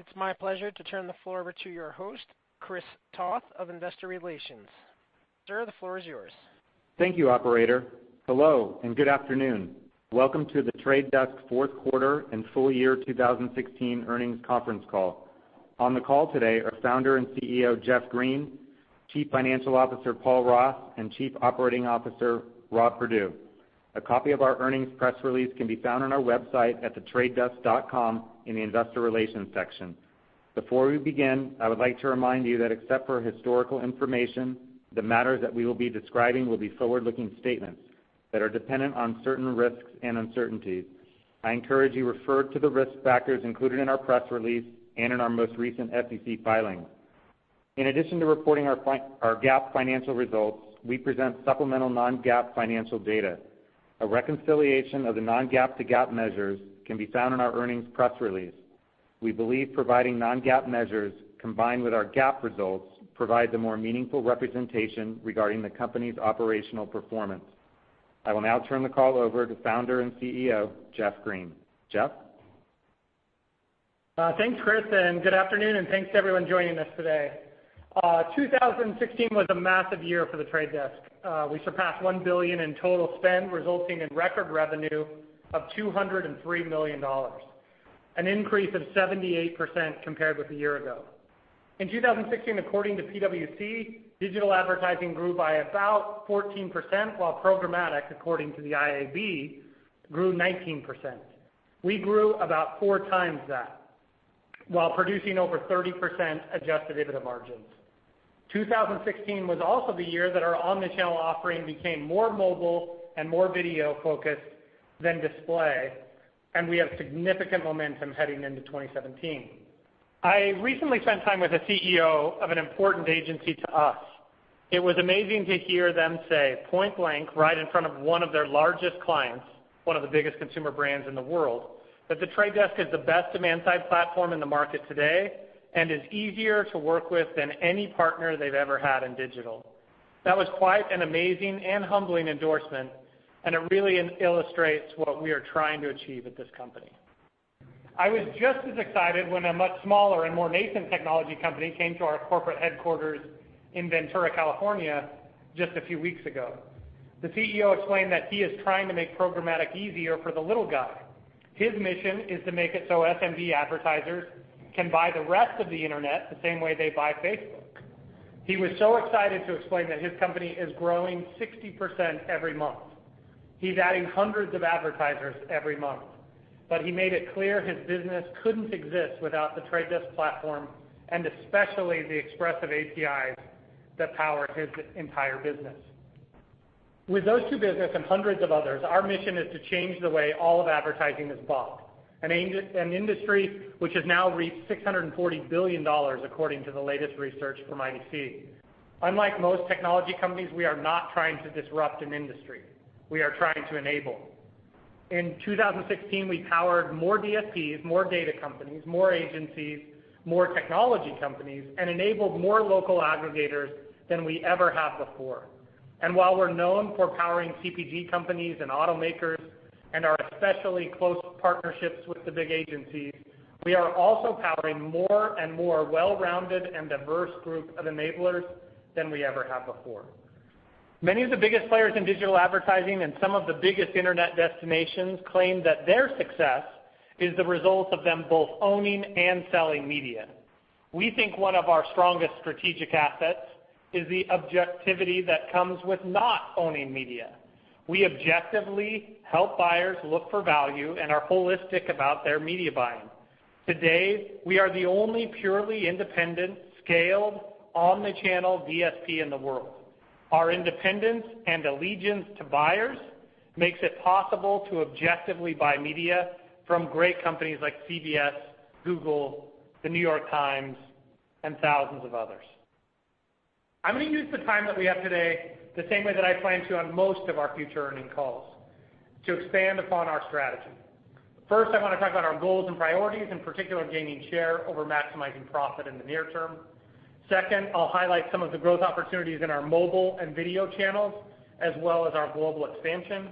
It's my pleasure to turn the floor over to your host, Chris Toth of Investor Relations. Sir, the floor is yours. Thank you, operator. Hello, and good afternoon. Welcome to The Trade Desk fourth quarter and full year 2016 earnings conference call. On the call today are founder and CEO, Jeff Green, Chief Financial Officer, Paul Ross, and Chief Operating Officer, Rob Perdue. A copy of our earnings press release can be found on our website at thetradedesk.com in the investor relations section. Before we begin, I would like to remind you that except for historical information, the matters that we will be describing will be forward-looking statements that are dependent on certain risks and uncertainties. I encourage you refer to the risk factors included in our press release and in our most recent SEC filing. In addition to reporting our GAAP financial results, we present supplemental non-GAAP financial data. A reconciliation of the non-GAAP to GAAP measures can be found in our earnings press release. We believe providing non-GAAP measures combined with our GAAP results provide a more meaningful representation regarding the company's operational performance. I will now turn the call over to founder and CEO, Jeff Green. Jeff? Thanks, Chris, and good afternoon, and thanks to everyone joining us today. 2016 was a massive year for The Trade Desk. We surpassed $1 billion in total spend, resulting in record revenue of $203 million, an increase of 78% compared with a year ago. In 2016, according to PwC, digital advertising grew by about 14%, while programmatic, according to the IAB, grew 19%. We grew about four times that while producing over 30% adjusted EBITDA margins. 2016 was also the year that our omni-channel offering became more mobile and more video focused than display, and we have significant momentum heading into 2017. I recently spent time with a CEO of an important agency to us. It was amazing to hear them say point blank, right in front of one of their largest clients, one of the biggest consumer brands in the world, that The Trade Desk is the best demand side platform in the market today and is easier to work with than any partner they've ever had in digital. That was quite an amazing and humbling endorsement, and it really illustrates what we are trying to achieve at this company. I was just as excited when a much smaller and more nascent technology company came to our corporate headquarters in Ventura, California just a few weeks ago. The CEO explained that he is trying to make programmatic easier for the little guy. His mission is to make it so SMB advertisers can buy the rest of the internet the same way they buy Facebook. He was so excited to explain that his company is growing 60% every month. He's adding hundreds of advertisers every month. He made it clear his business couldn't exist without The Trade Desk platform and especially the expressive APIs that power his entire business. With those two business and hundreds of others, our mission is to change the way all of advertising is bought, an industry which has now reached $640 billion, according to the latest research from IDC. Unlike most technology companies, we are not trying to disrupt an industry. We are trying to enable. In 2016, we powered more DSPs, more data companies, more agencies, more technology companies, and enabled more local aggregators than we ever have before. While we're known for powering CPG companies and automakers and our especially close partnerships with the big agencies, we are also powering more and more well-rounded and diverse group of enablers than we ever have before. Many of the biggest players in digital advertising and some of the biggest internet destinations claim that their success is the result of them both owning and selling media. We think one of our strongest strategic assets is the objectivity that comes with not owning media. We objectively help buyers look for value and are holistic about their media buying. Today, we are the only purely independent, scaled, omni-channel DSP in the world. Our independence and allegiance to buyers makes it possible to objectively buy media from great companies like CBS, Google, The New York Times, and thousands of others. I'm going to use the time that we have today the same way that I plan to on most of our future earnings calls, to expand upon our strategy. First, I want to talk about our goals and priorities, in particular, gaining share over maximizing profit in the near term. Second, I'll highlight some of the growth opportunities in our mobile and video channels, as well as our global expansion.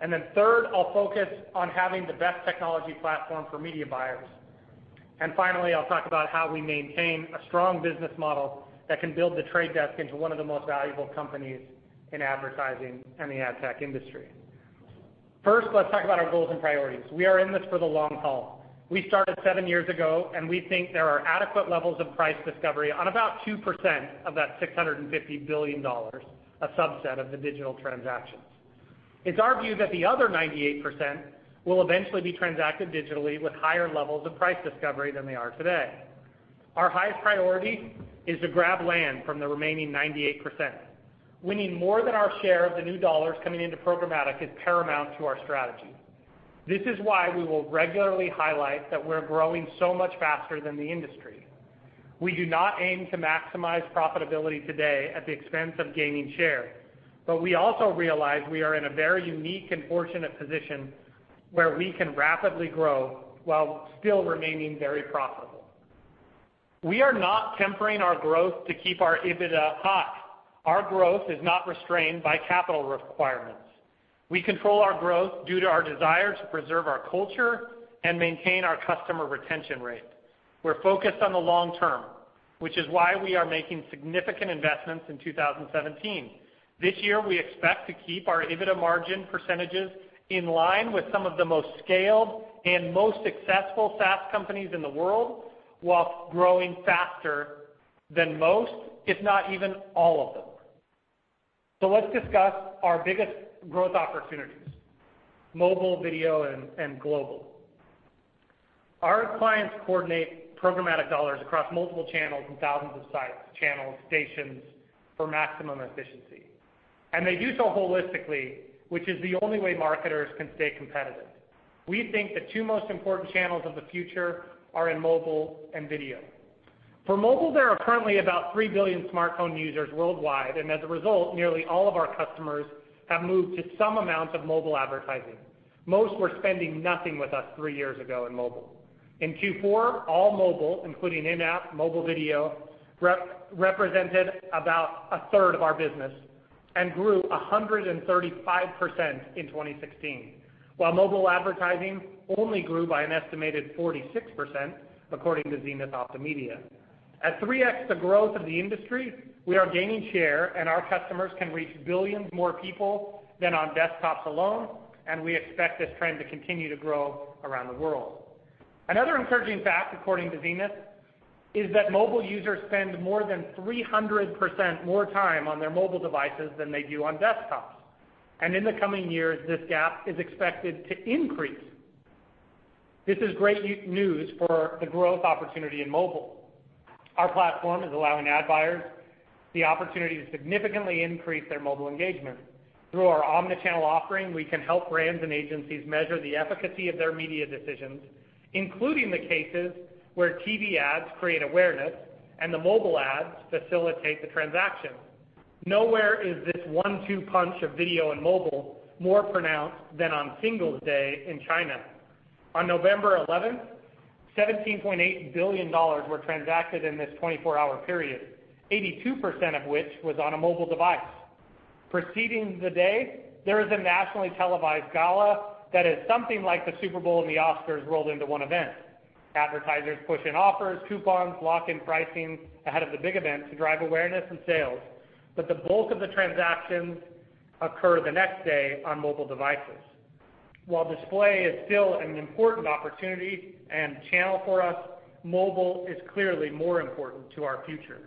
Then third, I'll focus on having the best technology platform for media buyers. Finally, I'll talk about how we maintain a strong business model that can build The Trade Desk into one of the most valuable companies in advertising and the ad tech industry. First, let's talk about our goals and priorities. We are in this for the long haul. We started seven years ago, and we think there are adequate levels of price discovery on about 2% of that $650 billion, a subset of the digital transactions. It's our view that the other 98% will eventually be transacted digitally with higher levels of price discovery than they are today. Our highest priority is to grab land from the remaining 98%. Winning more than our share of the new dollars coming into programmatic is paramount to our strategy. This is why we will regularly highlight that we're growing so much faster than the industry. We do not aim to maximize profitability today at the expense of gaining share, but we also realize we are in a very unique and fortunate position where we can rapidly grow while still remaining very profitable. We are not tempering our growth to keep our EBITDA high. Our growth is not restrained by capital requirements. We control our growth due to our desire to preserve our culture and maintain our customer retention rate. We're focused on the long term, which is why we are making significant investments in 2017. This year, we expect to keep our EBITDA margin percentages in line with some of the most scaled and most successful SaaS companies in the world while growing faster than most, if not even all of them. Let's discuss our biggest growth opportunities, mobile video and global. Our clients coordinate programmatic dollars across multiple channels and thousands of sites, channels, stations for maximum efficiency. They do so holistically, which is the only way marketers can stay competitive. We think the two most important channels of the future are in mobile and video. For mobile, there are currently about three billion smartphone users worldwide, and as a result, nearly all of our customers have moved to some amount of mobile advertising. Most were spending nothing with us three years ago in mobile. In Q4, all mobile, including in-app mobile video, represented about a third of our business and grew 135% in 2016, while mobile advertising only grew by an estimated 46%, according to ZenithOptimedia. At 3x the growth of the industry, we are gaining share and our customers can reach billions more people than on desktops alone, and we expect this trend to continue to grow around the world. Another encouraging fact, according to Zenith, is that mobile users spend more than 300% more time on their mobile devices than they do on desktops. In the coming years, this gap is expected to increase. This is great news for the growth opportunity in mobile. Our platform is allowing ad buyers the opportunity to significantly increase their mobile engagement. Through our omni-channel offering, we can help brands and agencies measure the efficacy of their media decisions, including the cases where TV ads create awareness and the mobile ads facilitate the transaction. Nowhere is this one-two punch of video and mobile more pronounced than on Singles' Day in China. On November 11th, $17.8 billion were transacted in this 24-hour period, 82% of which was on a mobile device. Preceding the day, there is a nationally televised gala that is something like the Super Bowl and the Oscars rolled into one event. Advertisers push in offers, coupons, lock in pricing ahead of the big event to drive awareness and sales. The bulk of the transactions occur the next day on mobile devices. While display is still an important opportunity and channel for us, mobile is clearly more important to our future.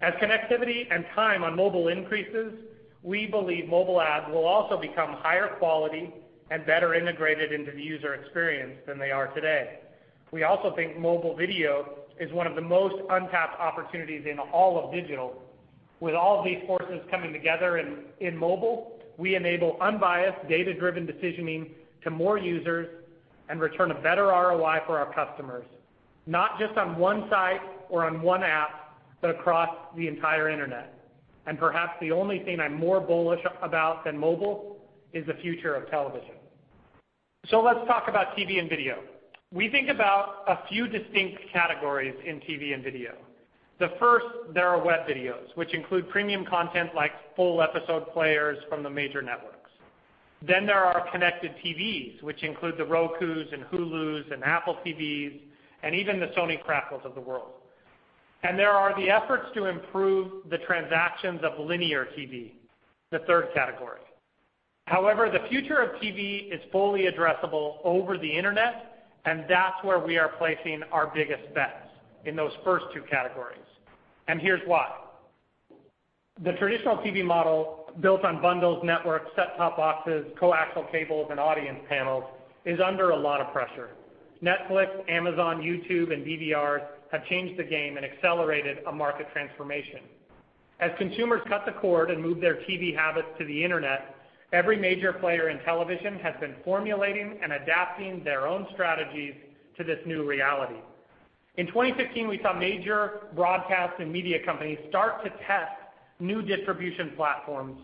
As connectivity and time on mobile increases, we believe mobile ads will also become higher quality and better integrated into the user experience than they are today. We also think mobile video is one of the most untapped opportunities in all of digital. With all of these forces coming together in mobile, we enable unbiased data-driven decisioning to more users and return a better ROI for our customers, not just on one site or on one app, but across the entire internet. Perhaps the only thing I'm more bullish about than mobile is the future of television. Let's talk about TV and video. We think about a few distinct categories in TV and video. The first, there are web videos, which include premium content like full episode players from the major networks. There are connected TVs, which include the Rokus and Hulus and Apple TVs, and even the Sony BRAVIA of the world. There are the efforts to improve the transactions of linear TV, the third category. However, the future of TV is fully addressable over the internet, and that's where we are placing our biggest bets, in those first two categories. Here's why. The traditional TV model built on bundles, networks, set-top boxes, coaxial cables, and audience panels is under a lot of pressure. Netflix, Amazon, YouTube, and DVRs have changed the game and accelerated a market transformation. As consumers cut the cord and move their TV habits to the internet, every major player in television has been formulating and adapting their own strategies to this new reality. In 2015, we saw major broadcast and media companies start to test new distribution platforms,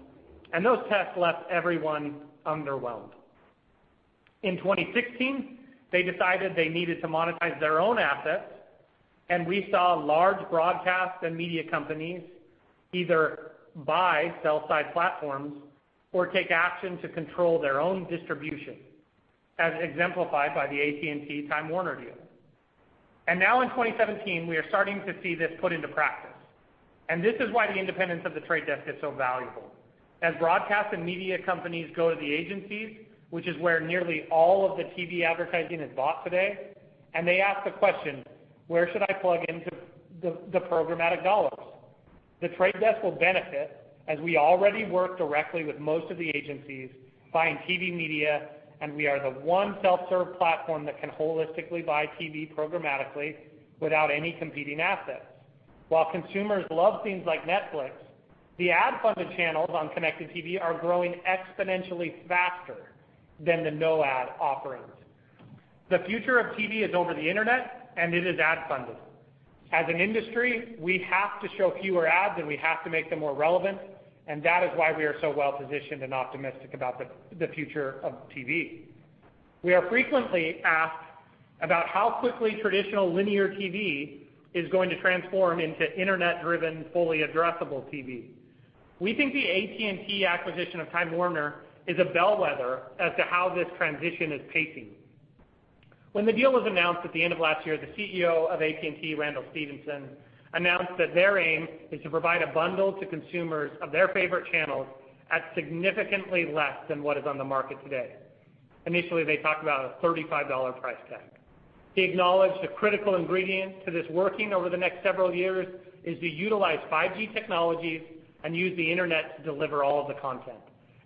and those tests left everyone underwhelmed. In 2016, they decided they needed to monetize their own assets, and we saw large broadcast and media companies either buy sell-side platforms or take action to control their own distribution, as exemplified by the AT&T-Time Warner deal. Now in 2017, we are starting to see this put into practice. This is why the independence of The Trade Desk is so valuable. As broadcast and media companies go to the agencies, which is where nearly all of the TV advertising is bought today, and they ask the question: where should I plug into the programmatic dollars? The Trade Desk will benefit, as we already work directly with most of the agencies buying TV media, and we are the one self-serve platform that can holistically buy TV programmatically without any competing assets. While consumers love things like Netflix, the ad-funded channels on connected TV are growing exponentially faster than the no-ad offerings. The future of TV is over the internet, and it is ad-funded. As an industry, we have to show fewer ads, and we have to make them more relevant, and that is why we are so well-positioned and optimistic about the future of TV. We are frequently asked about how quickly traditional linear TV is going to transform into internet-driven, fully addressable TV. We think the AT&T acquisition of Time Warner is a bellwether as to how this transition is pacing. When the deal was announced at the end of last year, the CEO of AT&T, Randall Stephenson, announced that their aim is to provide a bundle to consumers of their favorite channels at significantly less than what is on the market today. Initially, they talked about a $35 price tag. He acknowledged the critical ingredient to this working over the next several years is to utilize 5G technologies and use the internet to deliver all of the content.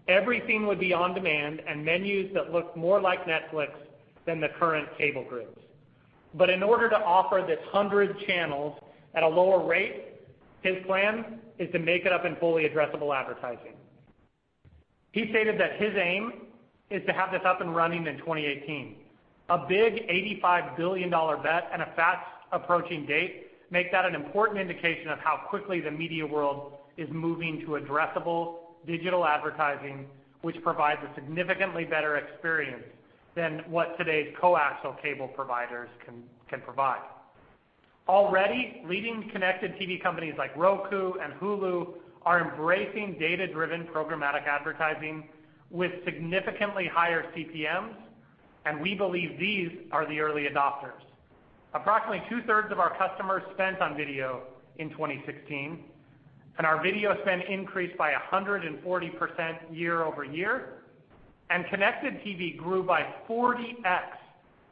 Everything would be on demand and menus that look more like Netflix than the current cable grids. In order to offer this 100 channels at a lower rate, his plan is to make it up in fully addressable advertising. He stated that his aim is to have this up and running in 2018. A big $85 billion bet and a fast-approaching date make that an important indication of how quickly the media world is moving to addressable digital advertising, which provides a significantly better experience than what today's coaxial cable providers can provide. Already, leading connected TV companies like Roku and Hulu are embracing data-driven programmatic advertising with significantly higher CPMs, and we believe these are the early adopters. Approximately two-thirds of our customers spent on video in 2016, and our video spend increased by 140% year-over-year, and connected TV grew by 40x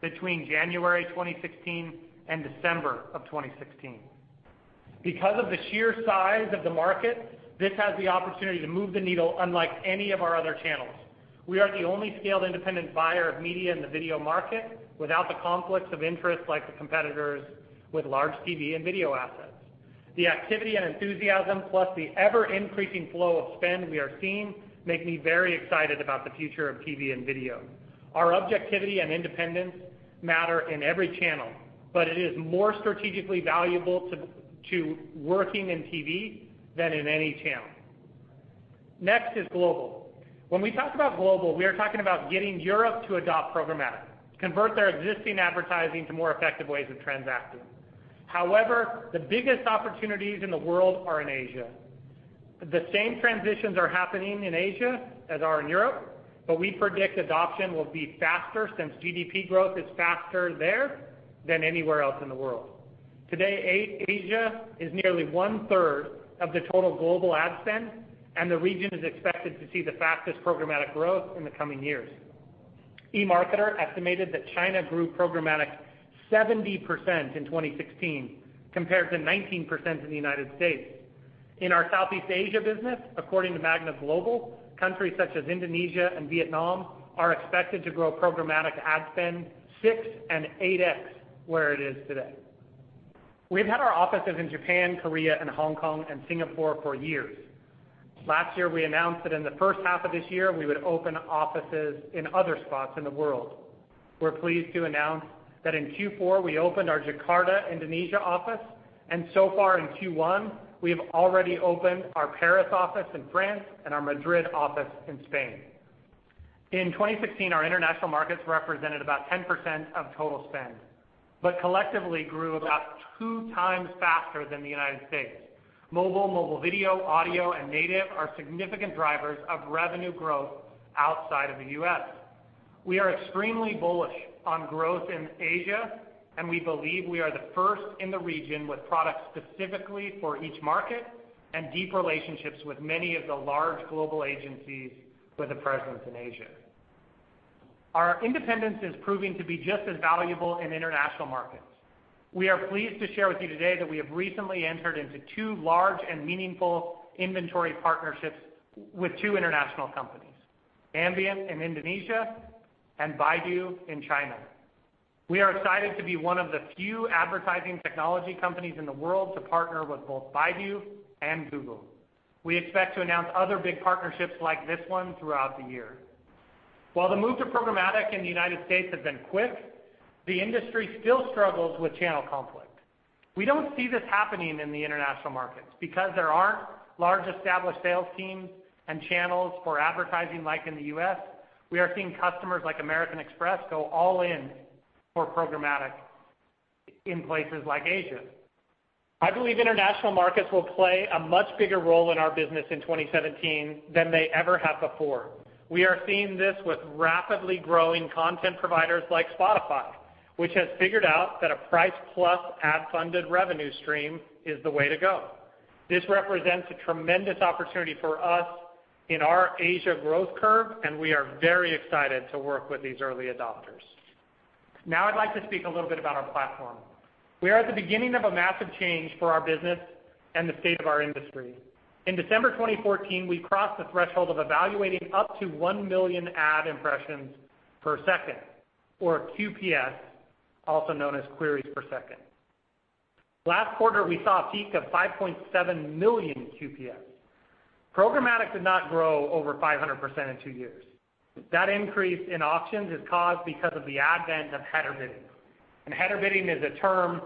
between January 2016 and December of 2016. Because of the sheer size of the market, this has the opportunity to move the needle unlike any of our other channels. We are the only scaled independent buyer of media in the video market without the conflicts of interest like the competitors with large TV and video assets. The activity and enthusiasm, plus the ever-increasing flow of spend we are seeing make me very excited about the future of TV and video. Our objectivity and independence matter in every channel, but it is more strategically valuable to working in TV than in any channel. Next is global. When we talk about global, we are talking about getting Europe to adopt programmatic, to convert their existing advertising to more effective ways of transacting. However, the biggest opportunities in the world are in Asia. The same transitions are happening in Asia as are in Europe, but we predict adoption will be faster since GDP growth is faster there than anywhere else in the world. Today, Asia is nearly one-third of the total global ad spend, and the region is expected to see the fastest programmatic growth in the coming years. eMarketer estimated that China grew programmatic 70% in 2016 compared to 19% in the U.S. In our Southeast Asia business, according to Magna Global, countries such as Indonesia and Vietnam are expected to grow programmatic ad spend six and eight x where it is today. We've had our offices in Japan, Korea, and Hong Kong, and Singapore for years. Last year, we announced that in the first half of this year, we would open offices in other spots in the world. We're pleased to announce that in Q4, we opened our Jakarta, Indonesia office, and so far in Q1, we have already opened our Paris office in France and our Madrid office in Spain. In 2016, our international markets represented about 10% of total spend but collectively grew about two times faster than the U.S. Mobile, mobile video, audio, and native are significant drivers of revenue growth outside of the U.S. We are extremely bullish on growth in Asia, and we believe we are the first in the region with products specifically for each market and deep relationships with many of the large global agencies with a presence in Asia. Our independence is proving to be just as valuable in international markets. We are pleased to share with you today that we have recently entered into two large and meaningful inventory partnerships with two international companies, Ambient in Indonesia and Baidu in China. We are excited to be one of the few advertising technology companies in the world to partner with both Baidu and Google. We expect to announce other big partnerships like this one throughout the year. While the move to programmatic in the United States has been quick, the industry still struggles with channel conflict. We don't see this happening in the international markets because there aren't large established sales teams and channels for advertising like in the U.S. We are seeing customers like American Express go all in for programmatic in places like Asia. I believe international markets will play a much bigger role in our business in 2017 than they ever have before. We are seeing this with rapidly growing content providers like Spotify, which has figured out that a price plus ad-funded revenue stream is the way to go. This represents a tremendous opportunity for us in our Asia growth curve, and we are very excited to work with these early adopters. Now I'd like to speak a little bit about our platform. We are at the beginning of a massive change for our business and the state of our industry. In December 2014, we crossed the threshold of evaluating up to 1 million ad impressions per second, or QPS, also known as queries per second. Last quarter, we saw a peak of 5.7 million QPS. Programmatic did not grow over 500% in two years. That increase in auctions is caused because of the advent of header bidding. Header bidding is a term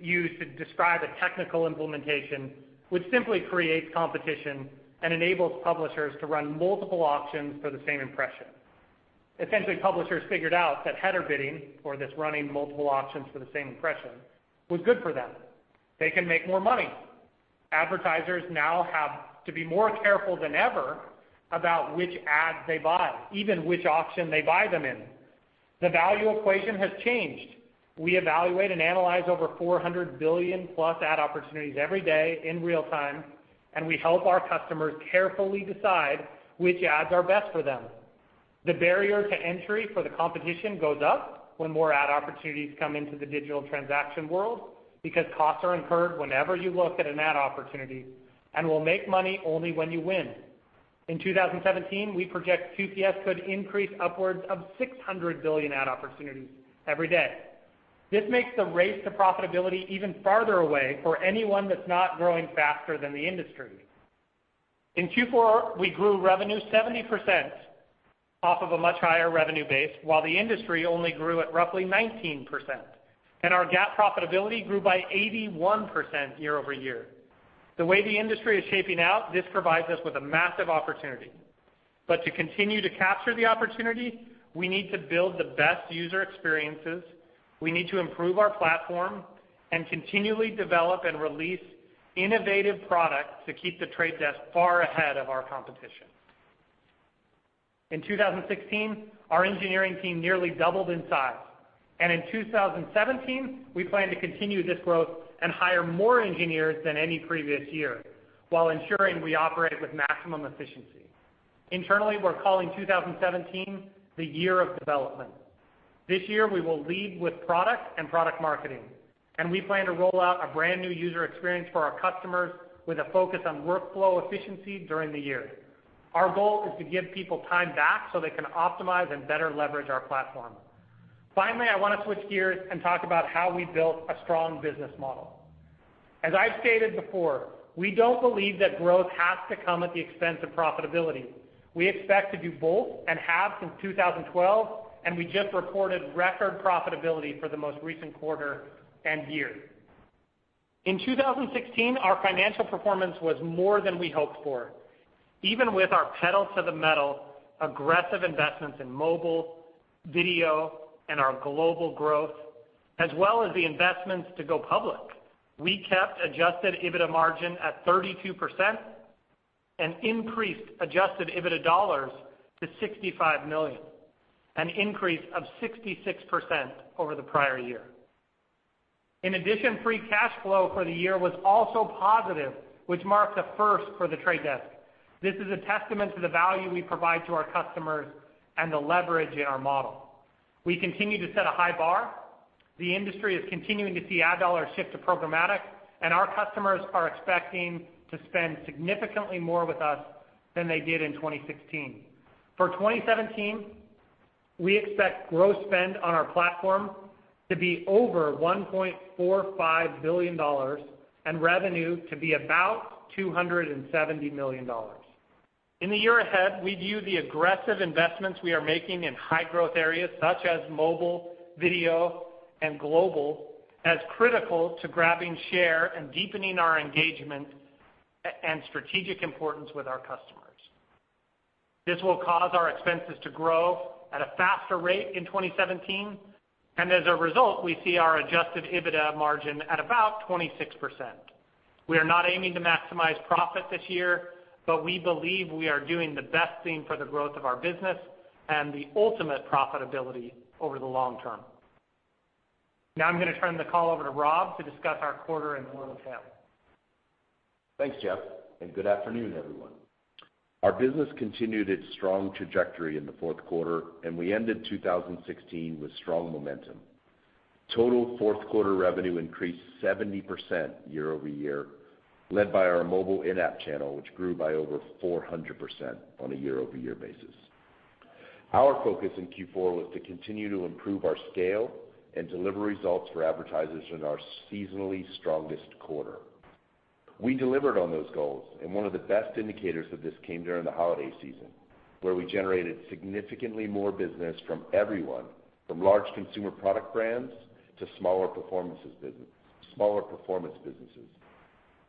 used to describe a technical implementation which simply creates competition and enables publishers to run multiple auctions for the same impression. Essentially, publishers figured out that header bidding, or this running multiple auctions for the same impression, was good for them. They can make more money. Advertisers now have to be more careful than ever about which ads they buy, even which auction they buy them in. The value equation has changed. We evaluate and analyze over 400 billion+ ad opportunities every day in real time, and we help our customers carefully decide which ads are best for them. The barrier to entry for the competition goes up when more ad opportunities come into the digital transaction world because costs are incurred whenever you look at an ad opportunity and will make money only when you win. In 2017, we project QPS could increase upwards of 600 billion ad opportunities every day. This makes the race to profitability even farther away for anyone that's not growing faster than the industry. In Q4, we grew revenue 70% off of a much higher revenue base, while the industry only grew at roughly 19%, and our GAAP profitability grew by 81% year-over-year. The way the industry is shaping out, this provides us with a massive opportunity. To continue to capture the opportunity, we need to build the best user experiences, we need to improve our platform, and continually develop and release innovative products to keep The Trade Desk far ahead of our competition. In 2016, our engineering team nearly doubled in size. In 2017, we plan to continue this growth and hire more engineers than any previous year while ensuring we operate with maximum efficiency. Internally, we're calling 2017 the year of development. This year, we will lead with product and product marketing, and we plan to roll out a brand-new user experience for our customers with a focus on workflow efficiency during the year. Our goal is to give people time back so they can optimize and better leverage our platform. Finally, I want to switch gears and talk about how we built a strong business model. As I've stated before, we don't believe that growth has to come at the expense of profitability. We expect to do both and have since 2012, we just reported record profitability for the most recent quarter and year. In 2016, our financial performance was more than we hoped for. Even with our pedal-to-the-metal aggressive investments in mobile, video, and our global growth, as well as the investments to go public, we kept adjusted EBITDA margin at 32% and increased adjusted EBITDA dollars to $65 million, an increase of 66% over the prior year. In addition, free cash flow for the year was also positive, which marks a first for The Trade Desk. This is a testament to the value we provide to our customers and the leverage in our model. We continue to set a high bar. The industry is continuing to see ad dollars shift to programmatic, our customers are expecting to spend significantly more with us than they did in 2016. For 2017, we expect gross spend on our platform to be over $1.45 billion and revenue to be about $270 million. In the year ahead, we view the aggressive investments we are making in high-growth areas such as mobile, video, and global as critical to grabbing share and deepening our engagement and strategic importance with our customers. This will cause our expenses to grow at a faster rate in 2017, as a result, we see our adjusted EBITDA margin at about 26%. We are not aiming to maximize profit this year, we believe we are doing the best thing for the growth of our business and the ultimate profitability over the long term. Now I'm going to turn the call over to Rob to discuss our quarter in more detail. Thanks, Jeff. Good afternoon, everyone. Our business continued its strong trajectory in the fourth quarter, and we ended 2016 with strong momentum. Total fourth-quarter revenue increased 70% year-over-year, led by our mobile in-app channel, which grew by over 400% on a year-over-year basis. Our focus in Q4 was to continue to improve our scale and deliver results for advertisers in our seasonally strongest quarter. We delivered on those goals, and one of the best indicators of this came during the holiday season, where we generated significantly more business from everyone, from large consumer product brands to smaller performance businesses.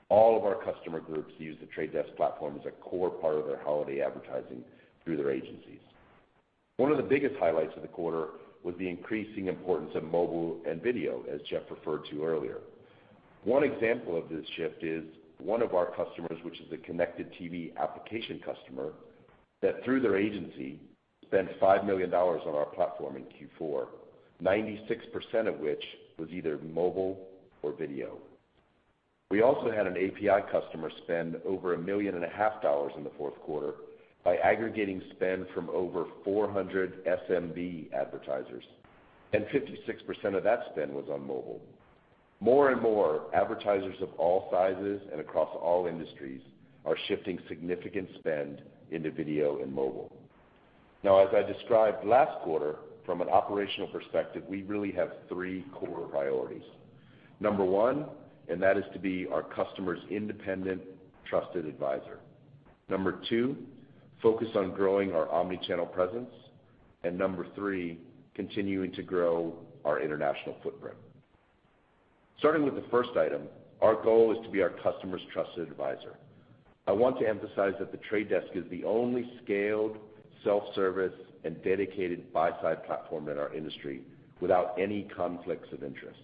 All of our customer groups use The Trade Desk platform as a core part of their holiday advertising through their agencies. One of the biggest highlights of the quarter was the increasing importance of mobile and video, as Jeff referred to earlier. One example of this shift is one of our customers, which is a connected TV application customer, that through their agency spent $5 million on our platform in Q4, 96% of which was either mobile or video. We also had an API customer spend over a million and a half dollars in the fourth quarter by aggregating spend from over 400 SMB advertisers, 56% of that spend was on mobile. More and more advertisers of all sizes and across all industries are shifting significant spend into video and mobile. As I described last quarter, from an operational perspective, we really have three core priorities. Number one, that is to be our customers' independent, trusted advisor. Number two, focus on growing our omni-channel presence, and Number three, continuing to grow our international footprint. Starting with the first item, our goal is to be our customer's trusted advisor. I want to emphasize that The Trade Desk is the only scaled self-service and dedicated buy-side platform in our industry, without any conflicts of interest.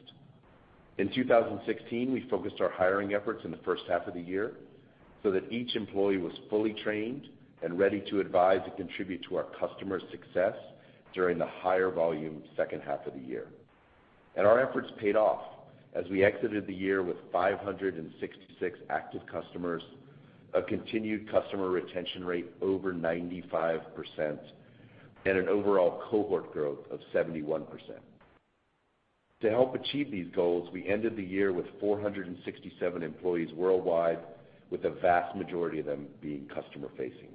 In 2016, we focused our hiring efforts in the first half of the year so that each employee was fully trained and ready to advise and contribute to our customers' success during the higher volume second half of the year. Our efforts paid off as we exited the year with 566 active customers, a continued customer retention rate over 95%, and an overall cohort growth of 71%. To help achieve these goals, we ended the year with 467 employees worldwide, with the vast majority of them being customer-facing.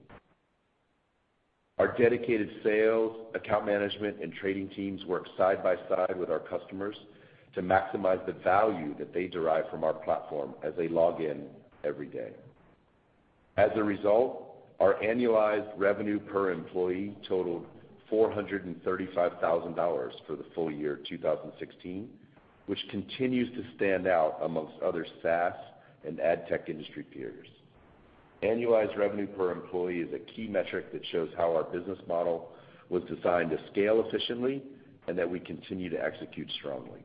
Our dedicated sales, account management, and trading teams work side by side with our customers to maximize the value that they derive from our platform as they log in every day. As a result, our annualized revenue per employee totaled $435,000 for the full year 2016, which continues to stand out amongst other SaaS and ad tech industry peers. Annualized revenue per employee is a key metric that shows how our business model was designed to scale efficiently and that we continue to execute strongly.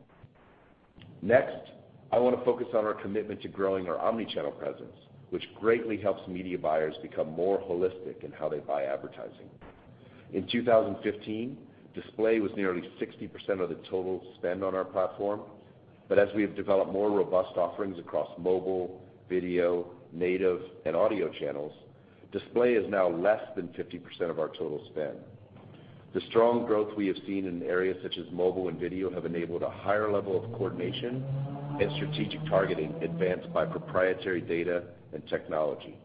I want to focus on our commitment to growing our omni-channel presence, which greatly helps media buyers become more holistic in how they buy advertising. In 2015, display was nearly 60% of the total spend on our platform, but as we've developed more robust offerings across mobile, video, native, and audio channels, display is now less than 50% of our total spend. The strong growth we have seen in areas such as mobile and video have enabled a higher level of coordination and strategic targeting advanced by proprietary data and technology,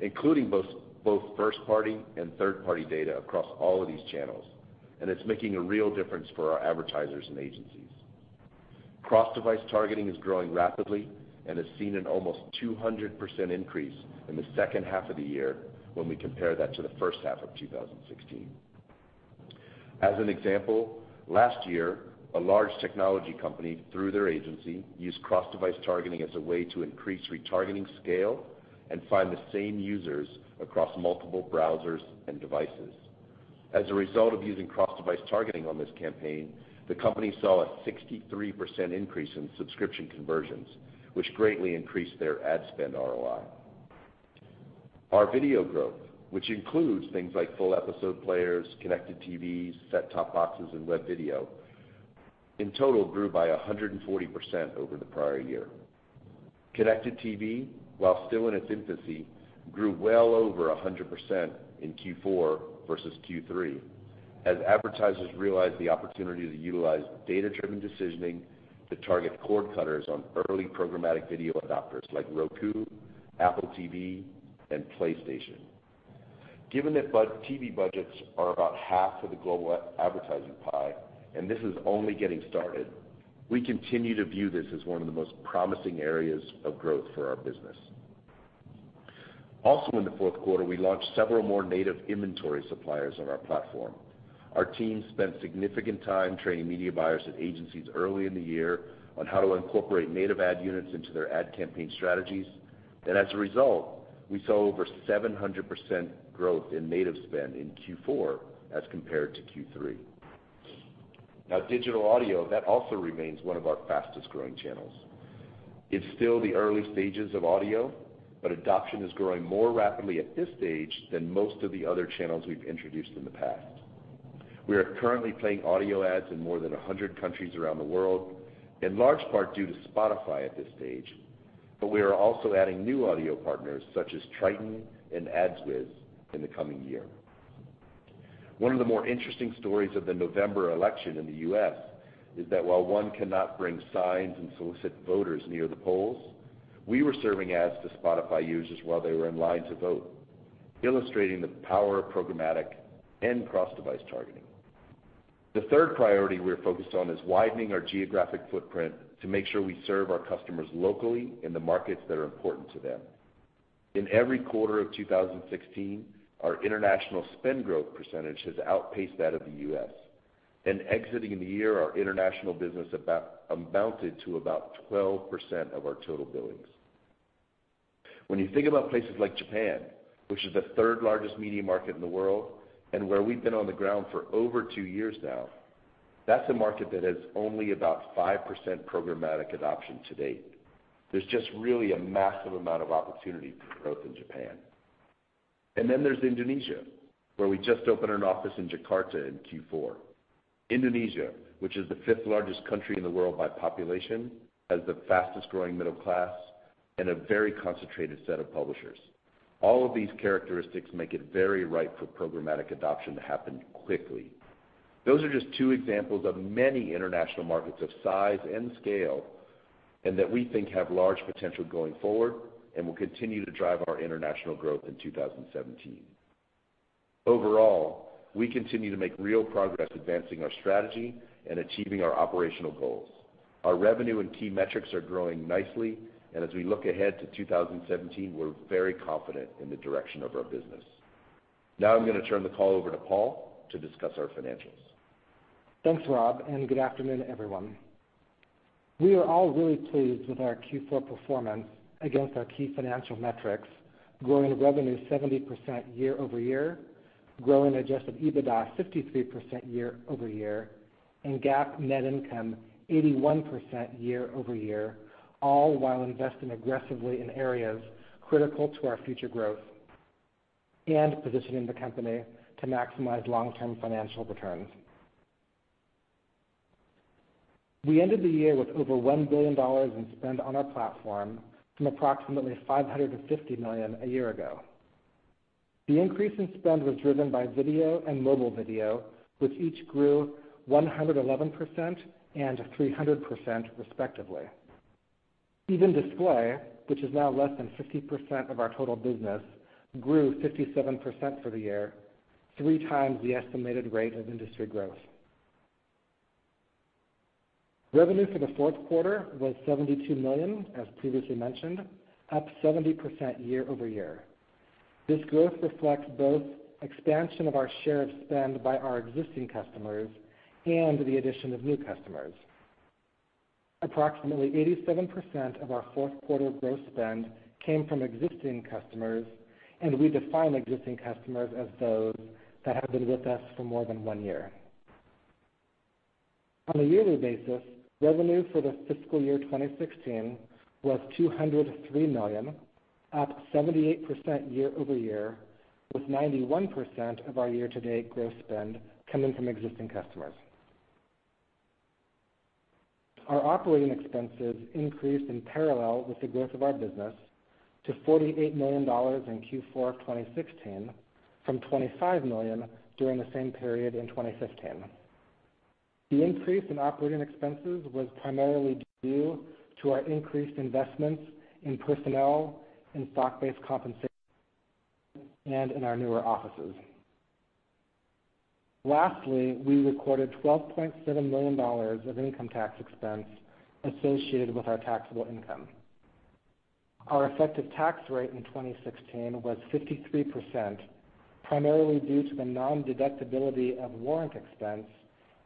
including both first-party and third-party data across all of these channels. It's making a real difference for our advertisers and agencies. Cross-device targeting is growing rapidly and has seen an almost 200% increase in the second half of the year when we compare that to the first half of 2016. As an example, last year, a large technology company, through their agency, used cross-device targeting as a way to increase retargeting scale and find the same users across multiple browsers and devices. As a result of using cross-device targeting on this campaign, the company saw a 63% increase in subscription conversions, which greatly increased their ad spend ROI. Our video growth, which includes things like full episode players, connected TVs, set-top boxes, and web video, in total grew by 140% over the prior year. Connected TV, while still in its infancy, grew well over 100% in Q4 versus Q3, as advertisers realized the opportunity to utilize data-driven decisioning to target cord cutters on early programmatic video adopters like Roku, Apple TV, and PlayStation. Given that TV budgets are about half of the global advertising pie, this is only getting started, we continue to view this as one of the most promising areas of growth for our business. In the fourth quarter, we launched several more native inventory suppliers on our platform. Our team spent significant time training media buyers and agencies early in the year on how to incorporate native ad units into their ad campaign strategies. As a result, we saw over 700% growth in native spend in Q4 as compared to Q3. Digital audio, that also remains one of our fastest-growing channels. It's still the early stages of audio, but adoption is growing more rapidly at this stage than most of the other channels we've introduced in the past. We are currently playing audio ads in more than 100 countries around the world, in large part due to Spotify at this stage, but we are also adding new audio partners such as Triton and AdsWizz in the coming year. One of the more interesting stories of the November election in the U.S. is that while one cannot bring signs and solicit voters near the polls, we were serving ads to Spotify users while they were in line to vote, illustrating the power of programmatic and cross-device targeting. The third priority we're focused on is widening our geographic footprint to make sure we serve our customers locally in the markets that are important to them. In every quarter of 2016, our international spend growth percentage has outpaced that of the U.S. Exiting the year, our international business amounted to about 12% of our total billings. When you think about places like Japan, which is the third-largest media market in the world, and where we've been on the ground for over two years now, that's a market that has only about 5% programmatic adoption to date. There's just really a massive amount of opportunity for growth in Japan. Then there's Indonesia, where we just opened an office in Jakarta in Q4. Indonesia, which is the fifth-largest country in the world by population, has the fastest-growing middle class and a very concentrated set of publishers. All of these characteristics make it very ripe for programmatic adoption to happen quickly. Those are just two examples of many international markets of size and scale, that we think have large potential going forward and will continue to drive our international growth in 2017. Overall, we continue to make real progress advancing our strategy and achieving our operational goals. Our revenue and key metrics are growing nicely, and as we look ahead to 2017, we're very confident in the direction of our business. Now I'm going to turn the call over to Paul to discuss our financials. Thanks, Rob. Good afternoon, everyone. We are all really pleased with our Q4 performance against our key financial metrics, growing revenue 70% year-over-year, growing adjusted EBITDA 53% year-over-year, and GAAP net income 81% year-over-year, all while investing aggressively in areas critical to our future growth and positioning the company to maximize long-term financial returns. We ended the year with over $1 billion in spend on our platform from approximately $550 million a year ago. The increase in spend was driven by video and mobile video, which each grew 111% and 300% respectively. Even display, which is now less than 50% of our total business, grew 57% for the year, three times the estimated rate of industry growth. Revenue for the fourth quarter was $72 million, as previously mentioned, up 70% year-over-year. This growth reflects both expansion of our share of spend by our existing customers and the addition of new customers. Approximately 87% of our fourth quarter gross spend came from existing customers. We define existing customers as those that have been with us for more than one year. On a yearly basis, revenue for the fiscal year 2016 was $203 million, up 78% year-over-year, with 91% of our year-to-date gross spend coming from existing customers. Our operating expenses increased in parallel with the growth of our business to $48 million in Q4 2016 from $25 million during the same period in 2015. The increase in operating expenses was primarily due to our increased investments in personnel, in stock-based compensation, and in our newer offices. Lastly, we recorded $12.7 million of income tax expense associated with our taxable income. Our effective tax rate in 2016 was 53%, primarily due to the nondeductibility of warrant expense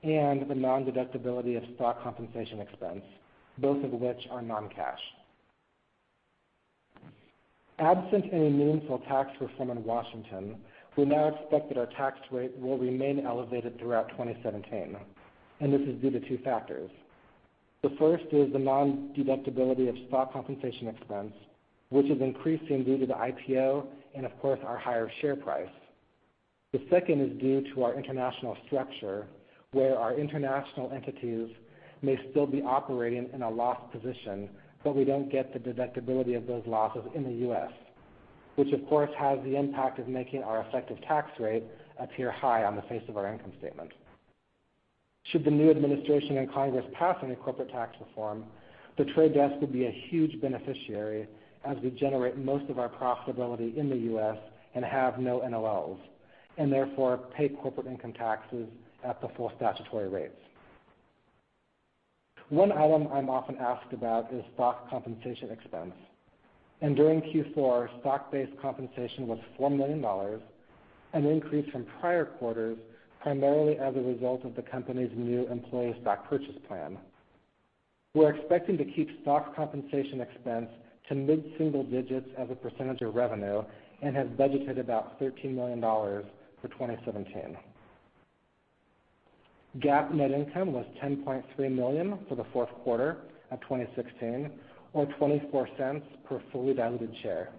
and the nondeductibility of stock compensation expense, both of which are non-cash. Absent any meaningful tax reform in Washington, we now expect that our tax rate will remain elevated throughout 2017. This is due to two factors. The first is the nondeductibility of stock compensation expense, which is increasing due to the IPO and, of course, our higher share price. The second is due to our international structure, where our international entities may still be operating in a loss position, but we don't get the deductibility of those losses in the U.S., which, of course, has the impact of making our effective tax rate appear high on the face of our income statement. Should the new administration and Congress pass any corporate tax reform, The Trade Desk would be a huge beneficiary as we generate most of our profitability in the U.S. and have no NOLs, therefore pay corporate income taxes at the full statutory rates. One item I'm often asked about is stock compensation expense. During Q4, stock-based compensation was $4 million, an increase from prior quarters, primarily as a result of the company's new employee stock purchase plan. We're expecting to keep stock compensation expense to mid-single digits as a percentage of revenue and have budgeted about $13 million for 2017. GAAP net income was $10.3 million for the fourth quarter of 2016 or $0.24 per fully diluted share.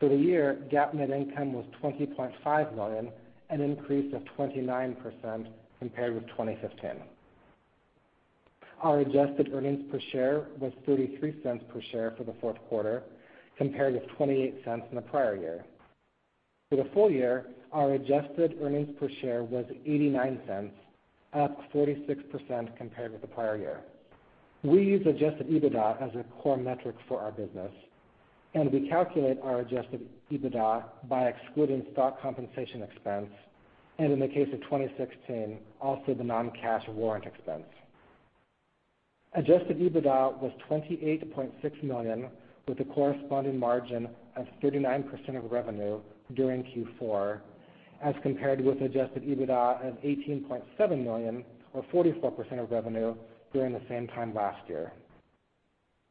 For the year, GAAP net income was $20.5 million, an increase of 29% compared with 2015. Our adjusted earnings per share was $0.33 per share for the fourth quarter, compared with $0.28 in the prior year. For the full year, our adjusted earnings per share was $0.89, up 46% compared with the prior year. We use adjusted EBITDA as a core metric for our business, we calculate our adjusted EBITDA by excluding stock compensation expense, and in the case of 2016, also the non-cash warrant expense. Adjusted EBITDA was $28.6 million with a corresponding margin of 39% of revenue during Q4, as compared with adjusted EBITDA of $18.7 million or 44% of revenue during the same time last year.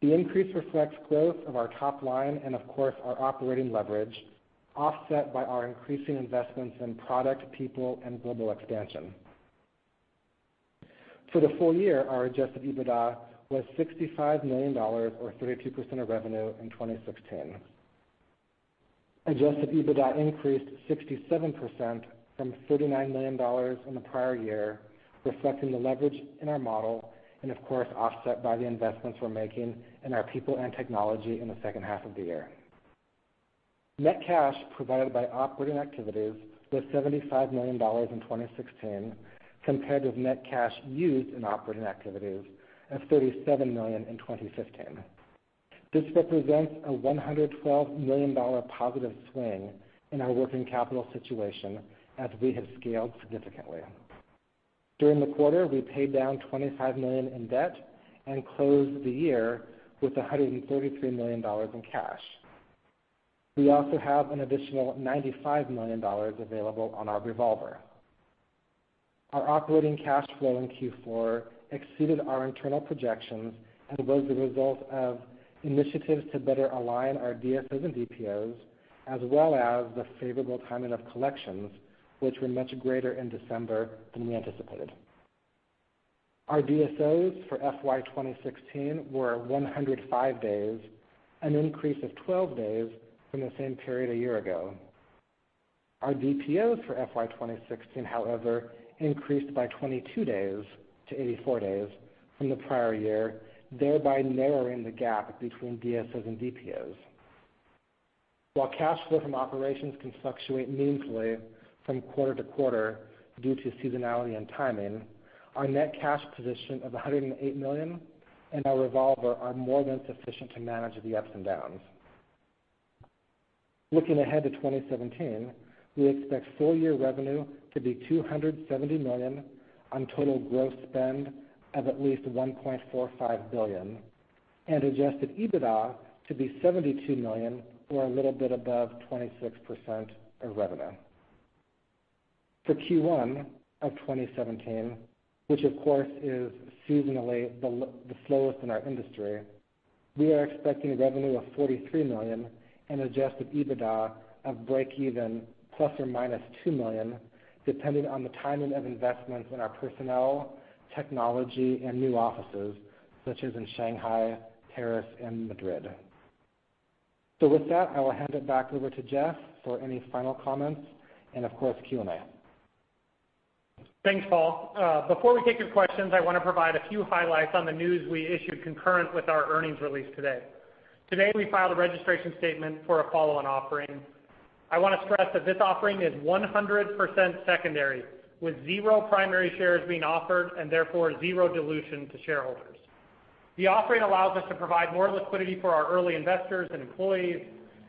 The increase reflects growth of our top line, of course, our operating leverage offset by our increasing investments in product, people, and global expansion. For the full year, our adjusted EBITDA was $65 million or 32% of revenue in 2016. Adjusted EBITDA increased 67% from $39 million in the prior year, reflecting the leverage in our model, of course, offset by the investments we're making in our people and technology in the second half of the year. Net cash provided by operating activities was $75 million in 2016, compared with net cash used in operating activities of $37 million in 2015. This represents a $112 million positive swing in our working capital situation as we have scaled significantly. During the quarter, we paid down $25 million in debt and closed the year with $133 million in cash. We also have an additional $95 million available on our revolver. Our operating cash flow in Q4 exceeded our internal projections and was the result of initiatives to better align our DSOs and DPOs, as well as the favorable timing of collections, which were much greater in December than we anticipated. Our DSOs for FY 2016 were 105 days, an increase of 12 days from the same period a year ago. Our DPOs for FY 2016, however, increased by 22 days to 84 days from the prior year, thereby narrowing the gap between DSOs and DPOs. While cash flow from operations can fluctuate meaningfully from quarter to quarter due to seasonality and timing, our net cash position of $108 million and our revolver are more than sufficient to manage the ups and downs. Looking ahead to 2017, we expect full-year revenue to be $270 million on total gross spend of at least $1.45 billion and adjusted EBITDA to be $72 million, or a little bit above 26% of revenue. For Q1 of 2017, which, of course, is seasonally the slowest in our industry, we are expecting revenue of $43 million and adjusted EBITDA of breakeven ±$2 million, depending on the timing of investments in our personnel, technology, and new offices, such as in Shanghai, Paris, and Madrid. With that, I will hand it back over to Jeff for any final comments and, of course, Q&A. Thanks, Paul. Before we take your questions, I want to provide a few highlights on the news we issued concurrent with our earnings release today. Today, we filed a registration statement for a follow-on offering. I want to stress that this offering is 100% secondary, with zero primary shares being offered and therefore zero dilution to shareholders. The offering allows us to provide more liquidity for our early investors and employees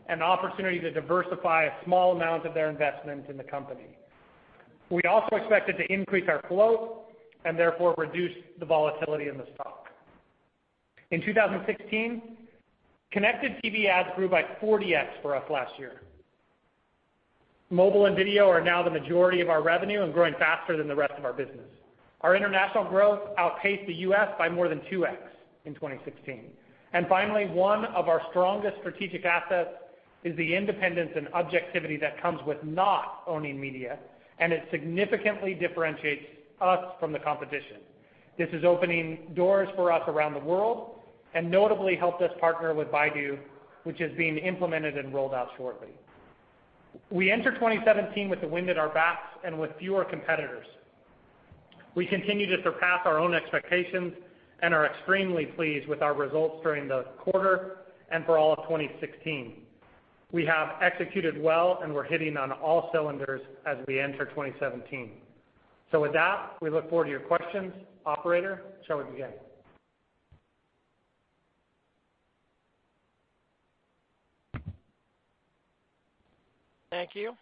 an opportunity to diversify a small amount of their investment in the company. We also expected to increase our float and therefore reduce the volatility in the stock. In 2016, connected TV ads grew by 40x for us last year. Mobile and video are now the majority of our revenue and growing faster than the rest of our business. Our international growth outpaced the U.S. by more than 2x in 2016. Finally, one of our strongest strategic assets is the independence and objectivity that comes with not owning media, and it significantly differentiates us from the competition. This is opening doors for us around the world and notably helped us partner with Baidu, which is being implemented and rolled out shortly. We enter 2017 with the wind at our backs and with fewer competitors. We continue to surpass our own expectations and are extremely pleased with our results during the quarter and for all of 2016. We have executed well, and we're hitting on all cylinders as we enter 2017. With that, we look forward to your questions. Operator, shall we begin? Thank you.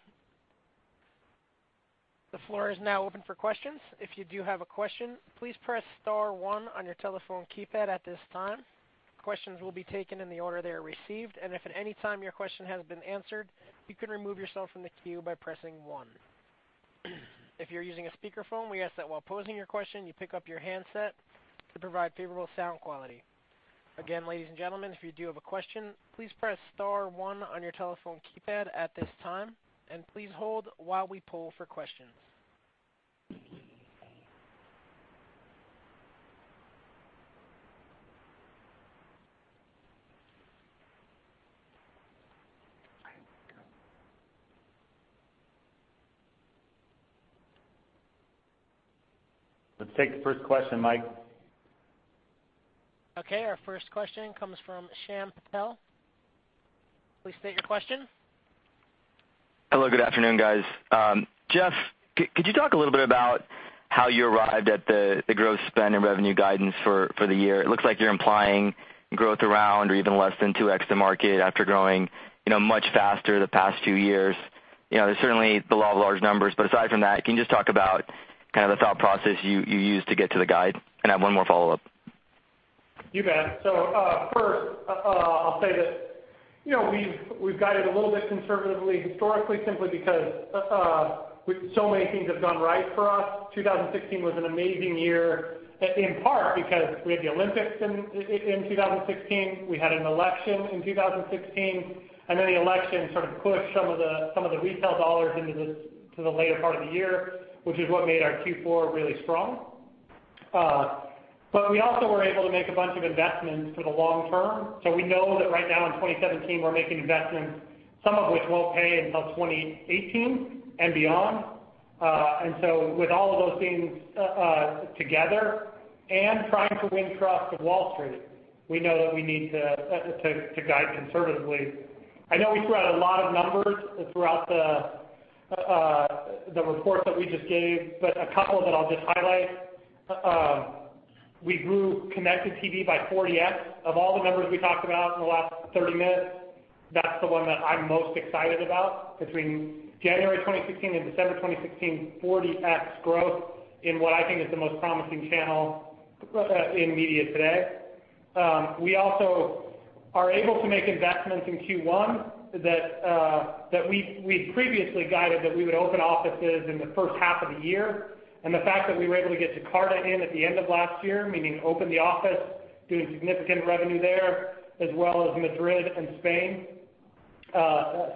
The floor is now open for questions. If you do have a question, please press star one on your telephone keypad at this time. Questions will be taken in the order they are received, and if at any time your question has been answered, you can remove yourself from the queue by pressing one. If you're using a speakerphone, we ask that while posing your question, you pick up your handset to provide favorable sound quality. Again, ladies and gentlemen, if you do have a question, please press star one on your telephone keypad at this time, and please hold while we poll for questions. Let's take the first question, Mike. Okay. Our first question comes from Shyam Patil. Please state your question. Hello. Good afternoon, guys. Jeff, could you talk a little bit about how you arrived at the growth spend and revenue guidance for the year? It looks like you're implying growth around or even less than 2x the market after growing much faster the past two years. There's certainly the law of large numbers, but aside from that, can you just talk about the thought process you used to get to the guide? I have one more follow-up. You bet. First, I'll say that we've guided a little bit conservatively historically simply because so many things have gone right for us. 2016 was an amazing year, in part because we had the Olympics in 2016, we had an election in 2016, then the election sort of pushed some of the retail dollars into the later part of the year, which is what made our Q4 really strong. We also were able to make a bunch of investments for the long term. We know that right now in 2017, we're making investments, some of which won't pay until 2018 and beyond. With all of those things together and trying to win trust with Wall Street, we know that we need to guide conservatively. I know we threw out a lot of numbers throughout the report that we just gave, but a couple of that I'll just highlight. We grew connected TV by 40x. Of all the numbers we talked about in the last 30 minutes, that's the one that I'm most excited about. Between January 2016 and December 2016, 40x growth in what I think is the most promising channel in media today. We also are able to make investments in Q1 that we previously guided that we would open offices in the first half of the year. The fact that we were able to get Jakarta in at the end of last year, meaning open the office, doing significant revenue there, as well as Madrid and Spain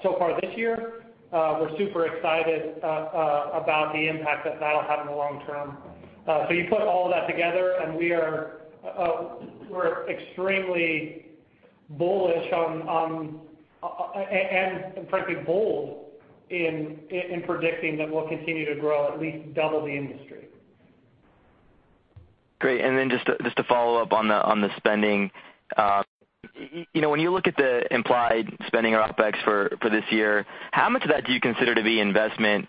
so far this year, we're super excited about the impact that that'll have in the long term. You put all of that together, and we're extremely bullish on, and frankly bold in predicting that we'll continue to grow at least double the industry. Great. Just to follow up on the spending. When you look at the implied spending or OpEx for this year, how much of that do you consider to be investment?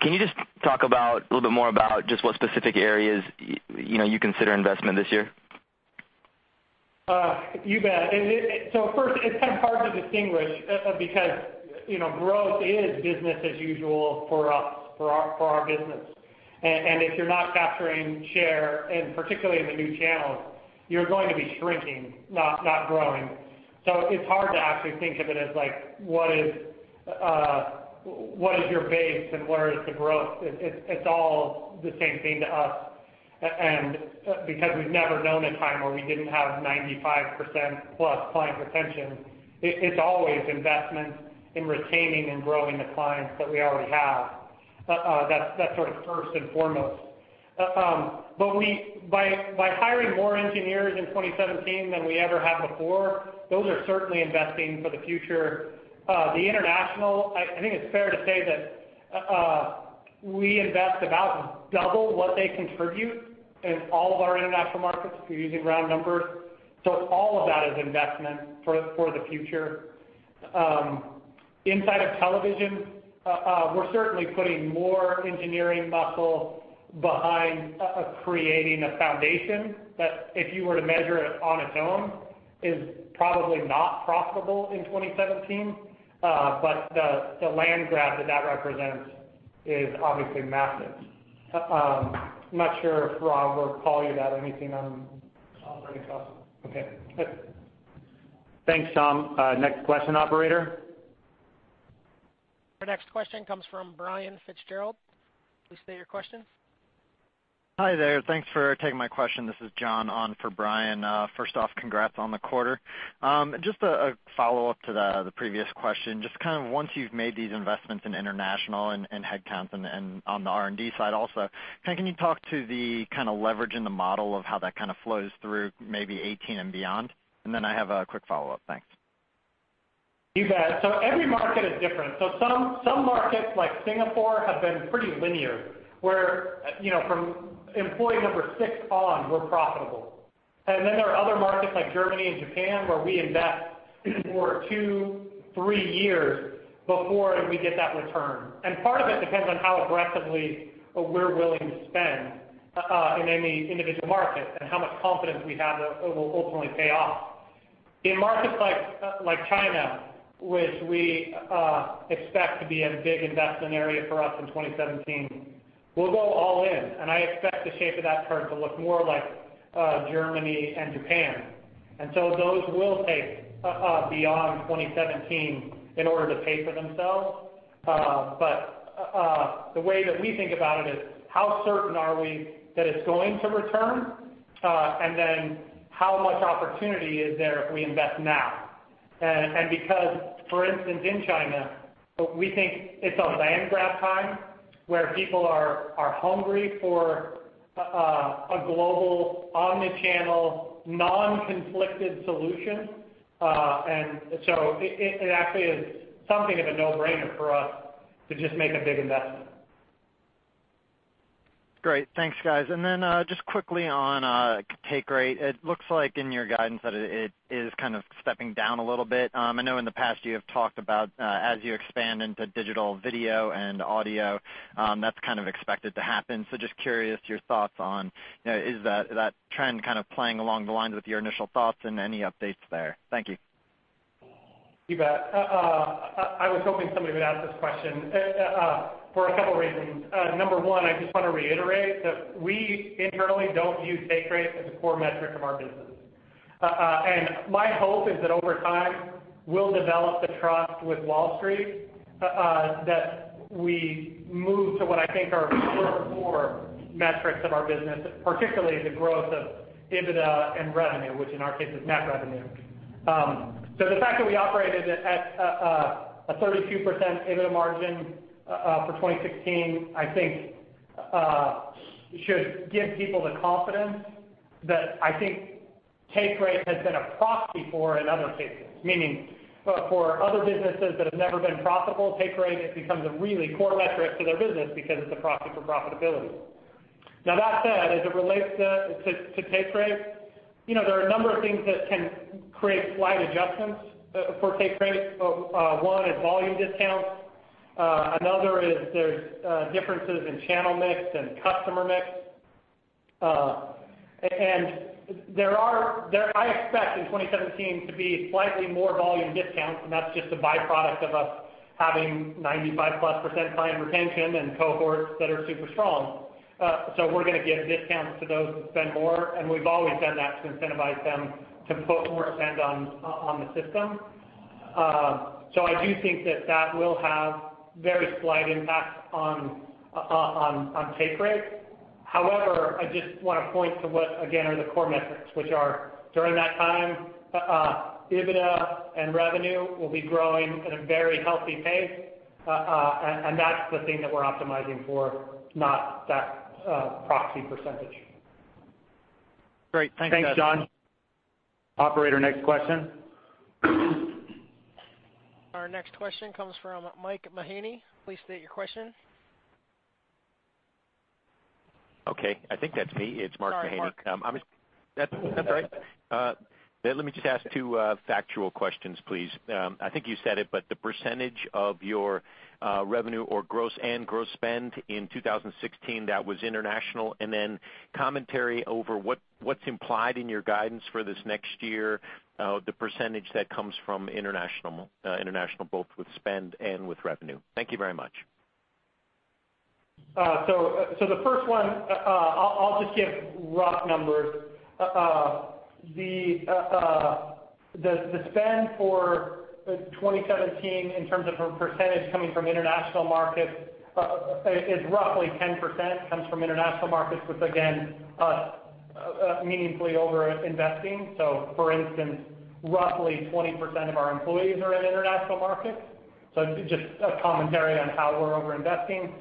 Can you just talk a little bit more about just what specific areas you consider investment this year? You bet. First, it's kind of hard to distinguish because growth is business as usual for our business. If you're not capturing share, and particularly in the new channels, you're going to be shrinking, not growing. It's hard to actually think of it as like, what is your base and where is the growth? It's all the same thing to us. Because we've never known a time where we didn't have 95% plus client retention, it's always investment in retaining and growing the clients that we already have. That's sort of first and foremost. By hiring more engineers in 2017 than we ever have before, those are certainly investing for the future. The international, I think it's fair to say that we invest about double what they contribute in all of our international markets, if you're using round numbers. All of that is investment for the future. Inside of television, we're certainly putting more engineering muscle behind creating a foundation that if you were to measure it on its own, is probably not profitable in 2017. The land grab that that represents is obviously massive. I'm not sure if Rob or Paul, you'd add anything on operating costs. Okay. Thanks, Shyam. Next question, operator. Our next question comes from Brian Fitzgerald. Please state your question. Hi there. Thanks for taking my question. This is John on for Brian. First off, congrats on the quarter. Just a follow-up to the previous question. Once you've made these investments in international and headcounts and on the R&D side also, can you talk to the kind of leverage in the model of how that kind of flows through maybe 2018 and beyond? I have a quick follow-up. Thanks. You bet. Every market is different. Some markets like Singapore have been pretty linear, where from employee number 6 on, we're profitable. There are other markets like Germany and Japan where we invest for two, three years before we get that return. Part of it depends on how aggressively we're willing to spend in any individual market and how much confidence we have that it will ultimately pay off. In markets like China, which we expect to be a big investment area for us in 2017, we'll go all in, and I expect the shape of that curve to look more like Germany and Japan. Those will take beyond 2017 in order to pay for themselves. The way that we think about it is how certain are we that it's going to return? How much opportunity is there if we invest now? Because, for instance, in China, we think it's a land grab time where people are hungry for a global, omni-channel, non-conflicted solution. It actually is something of a no-brainer for us to just make a big investment. Great. Thanks, guys. Just quickly on take rate. It looks like in your guidance that it is kind of stepping down a little bit. I know in the past you have talked about as you expand into digital video and audio, that's kind of expected to happen. Just curious your thoughts on, is that trend kind of playing along the lines with your initial thoughts and any updates there? Thank you. You bet. I was hoping somebody would ask this question for a couple reasons. Number 1, I just want to reiterate that we internally don't use take rate as a core metric of our business. My hope is that over time we'll develop the trust with Wall Street that we move to what I think are 4 metrics of our business, particularly the growth of EBITDA and revenue, which in our case is net revenue. The fact that we operated at a 32% EBITDA margin for 2016, I think should give people the confidence that I think take rate has been a proxy for in other cases. Meaning for other businesses that have never been profitable, take rate has become the really core metric to their business because it's a proxy for profitability. Now that said, as it relates to take rate, there's a number of things that can create slight adjustments for take rate. One is volume discounts. Another is there's differences in channel mix and customer mix. I expect in 2017 to be slightly more volume discounts, and that's just a byproduct of us having 95%-plus client retention and cohorts that are super strong. We're going to give discounts to those who spend more, and we've always done that to incentivize them to put more spend on the system. I do think that will have very slight impact on take rate. However, I just want to point to what, again, are the core metrics, which are during that time, EBITDA and revenue will be growing at a very healthy pace. That's the thing that we're optimizing for, not that proxy percentage. Great. Thanks, guys. Thanks, John. Operator, next question. Our next question comes from Mark Mahaney. Please state your question. Okay. I think that's me. It's Mark Mahaney. Sorry, Mark. That's all right. Let me just ask two factual questions, please. I think you said it, but the percentage of your revenue or gross and gross spend in 2016 that was international, then commentary over what's implied in your guidance for this next year, the percentage that comes from international, both with spend and with revenue. Thank you very much. The first one, I'll just give rough numbers. The spend for 2017 in terms of a percentage coming from international markets is roughly 10% comes from international markets, with again, us meaningfully over-investing. For instance, roughly 20% of our employees are in international markets. Just a commentary on how we're over-investing.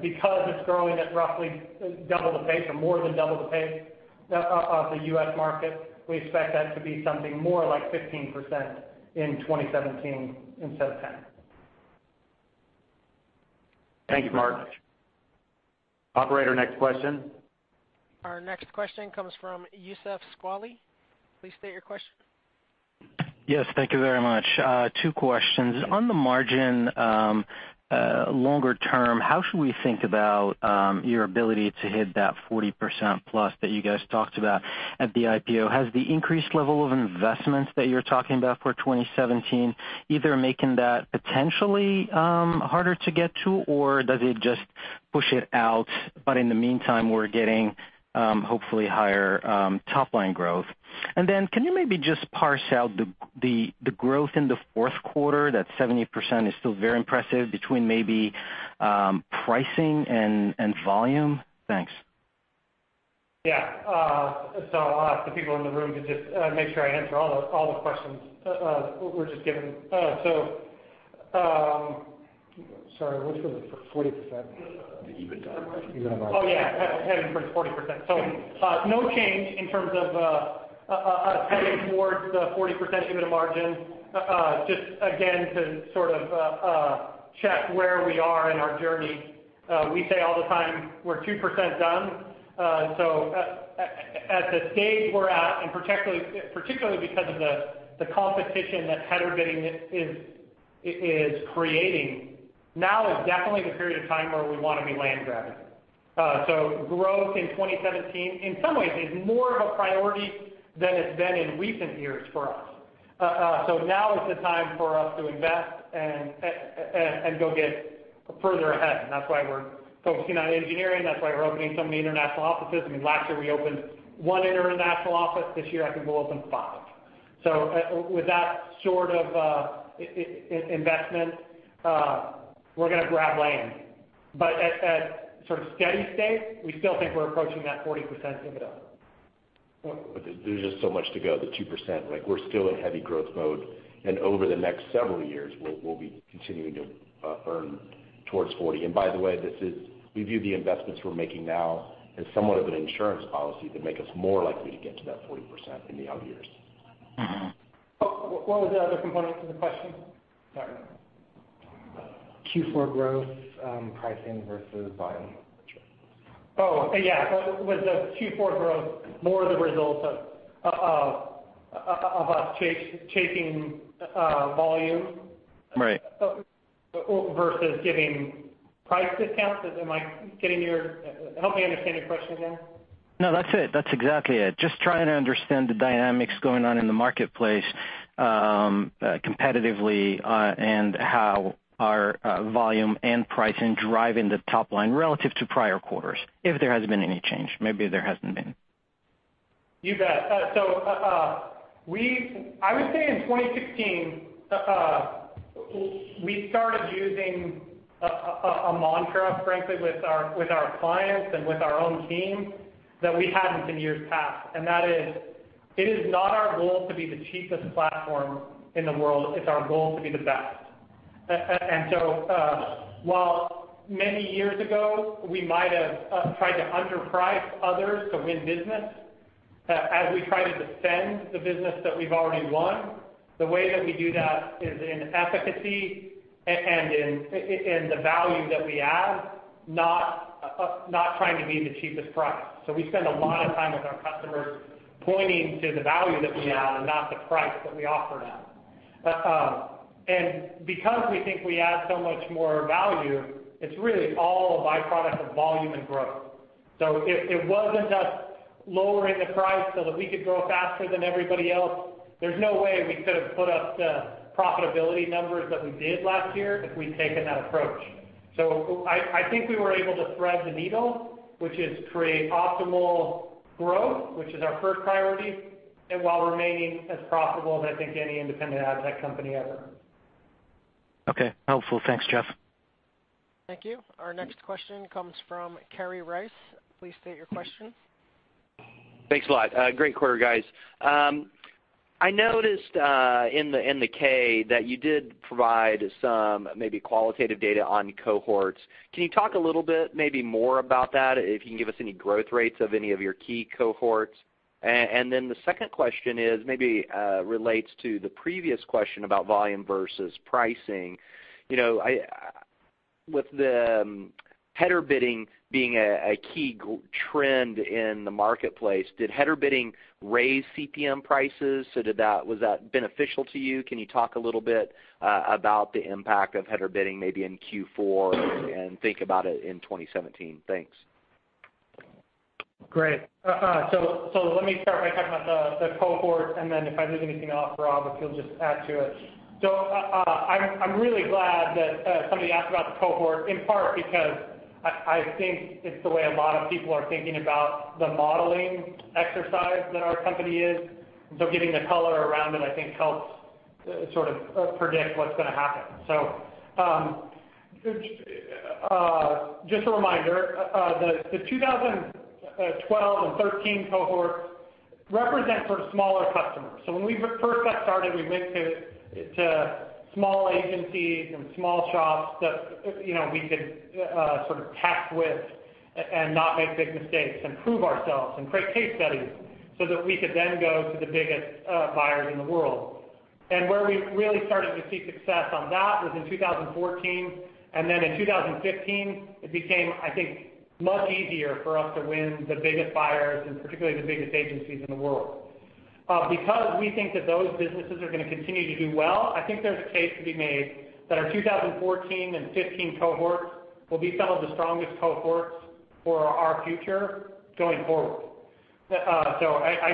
Because it's growing at roughly double the pace or more than double the pace of the U.S. market, we expect that to be something more like 15% in 2017 instead of 10%. Thank you, Mark. Thank you, Mark. Operator, next question. Our next question comes from Youssef Squali. Please state your question. Yes, thank you very much. Two questions. On the margin, longer term, how should we think about your ability to hit that 40%-plus that you guys talked about at the IPO? Has the increased level of investments that you're talking about for 2017 either making that potentially harder to get to, or does it just push it out, but in the meantime, we're getting hopefully higher top-line growth? Can you maybe just parse out the growth in the fourth quarter, that 70% is still very impressive, between maybe pricing and volume? Thanks. Yeah. I'll ask the people in the room to just make sure I answer all those questions we're just given. Sorry, which was it for 40%? The EBITDA margin. Oh, yeah, heading for 40%. No change in terms of us heading towards the 40% EBITDA margin. Just again, to sort of check where we are in our journey. We say all the time, we're 2% done. At the stage we're at, and particularly because of the competition that header bidding is creating, now is definitely the period of time where we want to be land grabbing. Growth in 2017, in some ways, is more of a priority than it's been in recent years for us. Now is the time for us to invest and go get further ahead. That's why we're focusing on engineering. That's why we're opening so many international offices. I mean, last year we opened one international office. This year, I think we'll open five. With that sort of investment, we're going to grab land. At sort of steady state, we still think we're approaching that 40% EBITDA. There's just so much to go, the 2%. We're still in heavy growth mode. Over the next several years, we'll be continuing to earn towards 40. By the way, we view the investments we're making now as somewhat of an insurance policy to make us more likely to get to that 40% in the out years. What was the other component to the question? Sorry. Q4 growth, pricing versus volume. Oh, yeah. Was the Q4 growth more the result of us chasing volume? Right versus giving price discounts? Am I getting your Help me understand your question again. No, that's it. That's exactly it. Just trying to understand the dynamics going on in the marketplace competitively, how are volume and pricing driving the top line relative to prior quarters, if there has been any change, maybe there hasn't been. You bet. I would say in 2016, we started using a mantra, frankly, with our clients and with our own team that we hadn't in years past, and that is: It is not our goal to be the cheapest platform in the world. It's our goal to be the best. While many years ago, we might have tried to underprice others to win business As we try to defend the business that we've already won, the way that we do that is in efficacy and in the value that we add, not trying to be the cheapest price. We spend a lot of time with our customers pointing to the value that we add and not the price that we offer them. Because we think we add so much more value, it's really all a byproduct of volume and growth. It wasn't us lowering the price so that we could grow faster than everybody else. There's no way we could have put up the profitability numbers that we did last year if we'd taken that approach. I think we were able to thread the needle, which is create optimal growth, which is our first priority, and while remaining as profitable as I think any independent ad tech company ever. Okay, helpful. Thanks, Jeff. Thank you. Our next question comes from Kerry Rice. Please state your question. Thanks a lot. Great quarter, guys. I noticed in the K that you did provide some maybe qualitative data on cohorts. Can you talk a little bit maybe more about that, if you can give us any growth rates of any of your key cohorts? The second question maybe relates to the previous question about volume versus pricing. With the header bidding being a key trend in the marketplace, did header bidding raise CPM prices? Was that beneficial to you? Can you talk a little bit about the impact of header bidding maybe in Q4 and think about it in 2017? Thanks. Great. Let me start by talking about the cohort, and then if I leave anything out for Rob, if he'll just add to it. I'm really glad that somebody asked about the cohort, in part because I think it's the way a lot of people are thinking about the modeling exercise that our company is. Getting the color around it, I think, helps sort of predict what's going to happen. Just a reminder, the 2012 and 2013 cohort represent sort of smaller customers. When we first got started, we went to small agencies and small shops that we could sort of test with and not make big mistakes and prove ourselves and create case studies so that we could then go to the biggest buyers in the world. Where we really started to see success on that was in 2014. In 2015, it became, I think, much easier for us to win the biggest buyers and particularly the biggest agencies in the world. We think that those businesses are going to continue to do well, I think there's a case to be made that our 2014 and 2015 cohort will be some of the strongest cohorts for our future going forward. I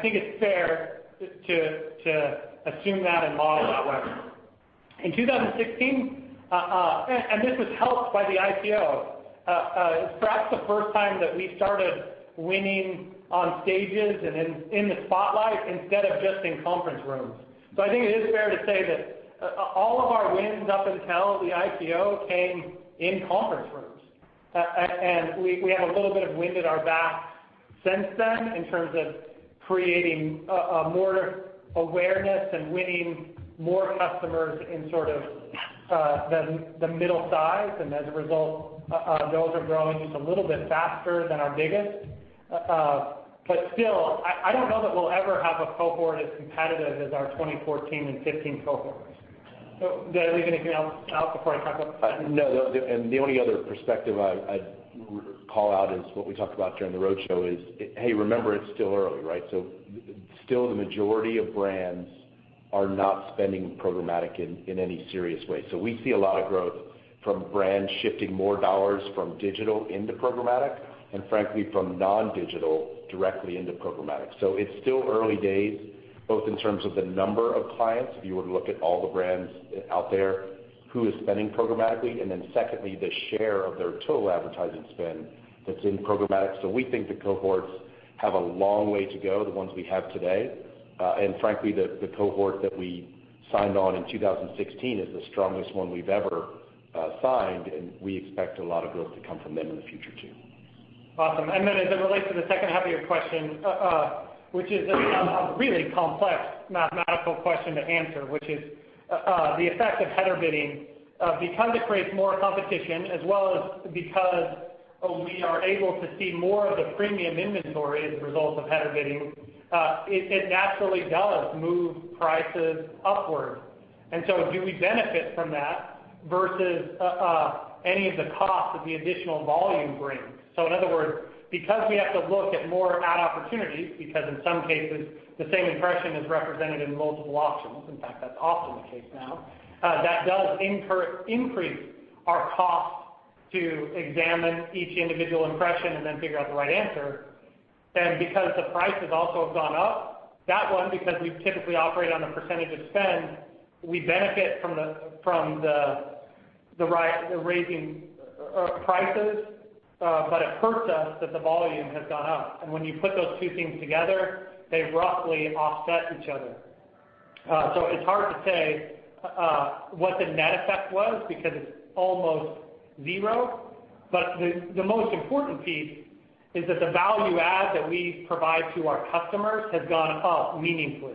think it's fair to assume that and model it that way. In 2016, this was helped by the IPO, that's the first time that we started winning on stages and in the spotlight instead of just in conference rooms. I think it is fair to say that all of our wins up until the IPO came in conference rooms. We have a little bit of wind at our back since then in terms of creating more awareness and winning more customers in sort of the middle size. As a result, those are growing just a little bit faster than our biggest. Still, I don't know that we'll ever have a cohort as competitive as our 2014 and 2015 cohorts. Did I leave anything else out before I talk about- No. The only other perspective I'd call out is what we talked about during the roadshow is, hey, remember it's still early, right? Still the majority of brands are not spending programmatic in any serious way. We see a lot of growth from brands shifting more dollars from digital into programmatic and frankly from non-digital directly into programmatic. It's still early days, both in terms of the number of clients, if you were to look at all the brands out there, who is spending programmatically, and then secondly, the share of their total advertising spend that's in programmatic. We think the cohorts have a long way to go, the ones we have today. Frankly, the cohort that we signed on in 2016 is the strongest one we've ever signed, and we expect a lot of growth to come from them in the future, too. Awesome. As it relates to the second half of your question, which is a really complex mathematical question to answer, which is the effect of header bidding because it creates more competition as well as because we are able to see more of the premium inventory as a result of header bidding, it naturally does move prices upward. Do we benefit from that versus any of the cost that the additional volume brings? In other words, because we have to look at more ad opportunities because in some cases the same impression is represented in multiple auctions, in fact that's often the case now, that does increase our cost to examine each individual impression and then figure out the right answer. Because the price has also gone up, that one because we typically operate on a percentage of spend, we benefit from raising prices, but it hurts us that the volume has gone up. When you put those two things together, they roughly offset each other. It's hard to say what the net effect was because it's almost zero. The most important piece is that the value add that we provide to our customers has gone up meaningfully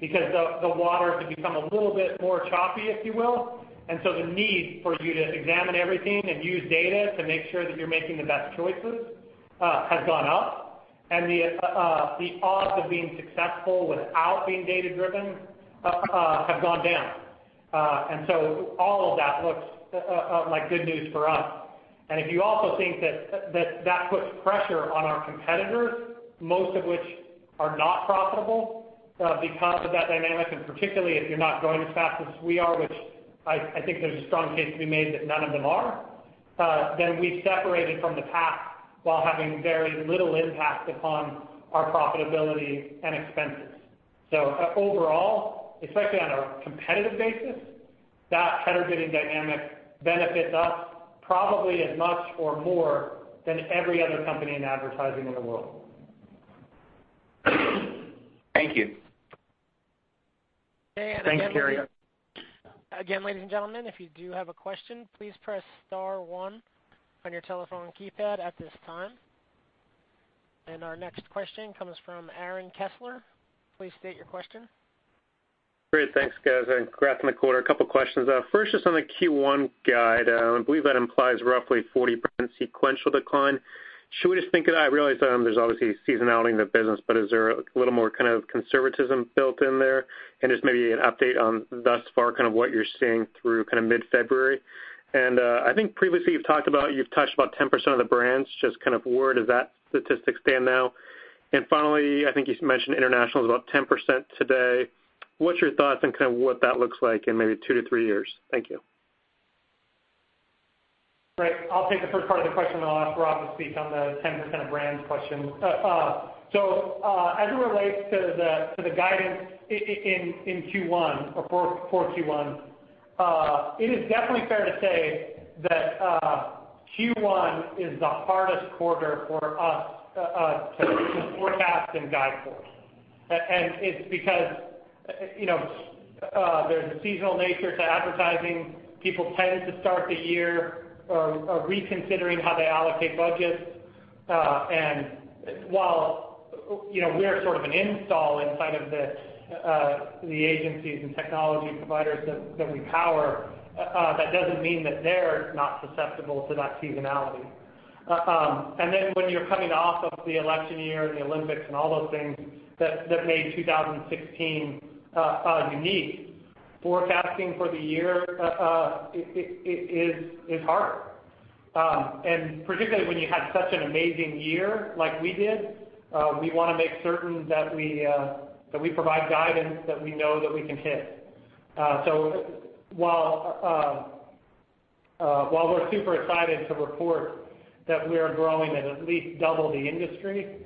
because the waters have become a little bit more choppy, if you will. The need for you to examine everything and use data to make sure that you're making the best choices has gone up. The odds of being successful without being data-driven have gone down. All of that looks like good news for us. If you also think that puts pressure on our competitors, most of which are not profitable because of that dynamic, and particularly if you're not growing as fast as we are, which I think there's a strong case to be made that none of them are, then we've separated from the pack while having very little impact upon our profitability and expenses. Overall, especially on a competitive basis, that header bidding dynamic benefits us probably as much or more than every other company in advertising in the world. Thank you. Again. Thanks, Kerry. Again, ladies and gentlemen, if you do have a question, please press star one on your telephone keypad at this time. Our next question comes from Aaron Kessler. Please state your question. Great. Thanks, guys, and congrats on the quarter. A couple questions. First, just on the Q1 guide. I believe that implies roughly 40% sequential decline. Should we just think of that, I realize there's obviously seasonality in the business, but is there a little more kind of conservatism built in there? Just maybe an update on thus far kind of what you're seeing through mid-February? I think previously you've talked about, you've touched about 10% of the brands. Just kind of where does that statistic stand now? Finally, I think you mentioned international is about 10% today. What's your thoughts on kind of what that looks like in maybe two to three years? Thank you. Right. I'll take the first part of the question, then I'll ask Rob to speak on the 10% of brands question. As it relates to the guidance in Q1 or for Q1, it is definitely fair to say that Q1 is the hardest quarter for us to forecast and guide for. It's because there's a seasonal nature to advertising. People tend to start the year reconsidering how they allocate budgets. While we're sort of an install inside of the agencies and technology providers that we power, that doesn't mean that they're not susceptible to that seasonality. Then when you're coming off of the election year and the Olympics and all those things that made 2016 unique, forecasting for the year is hard. Particularly when you had such an amazing year like we did, we want to make certain that we provide guidance that we know that we can hit. While we're super excited to report that we are growing at at least double the industry,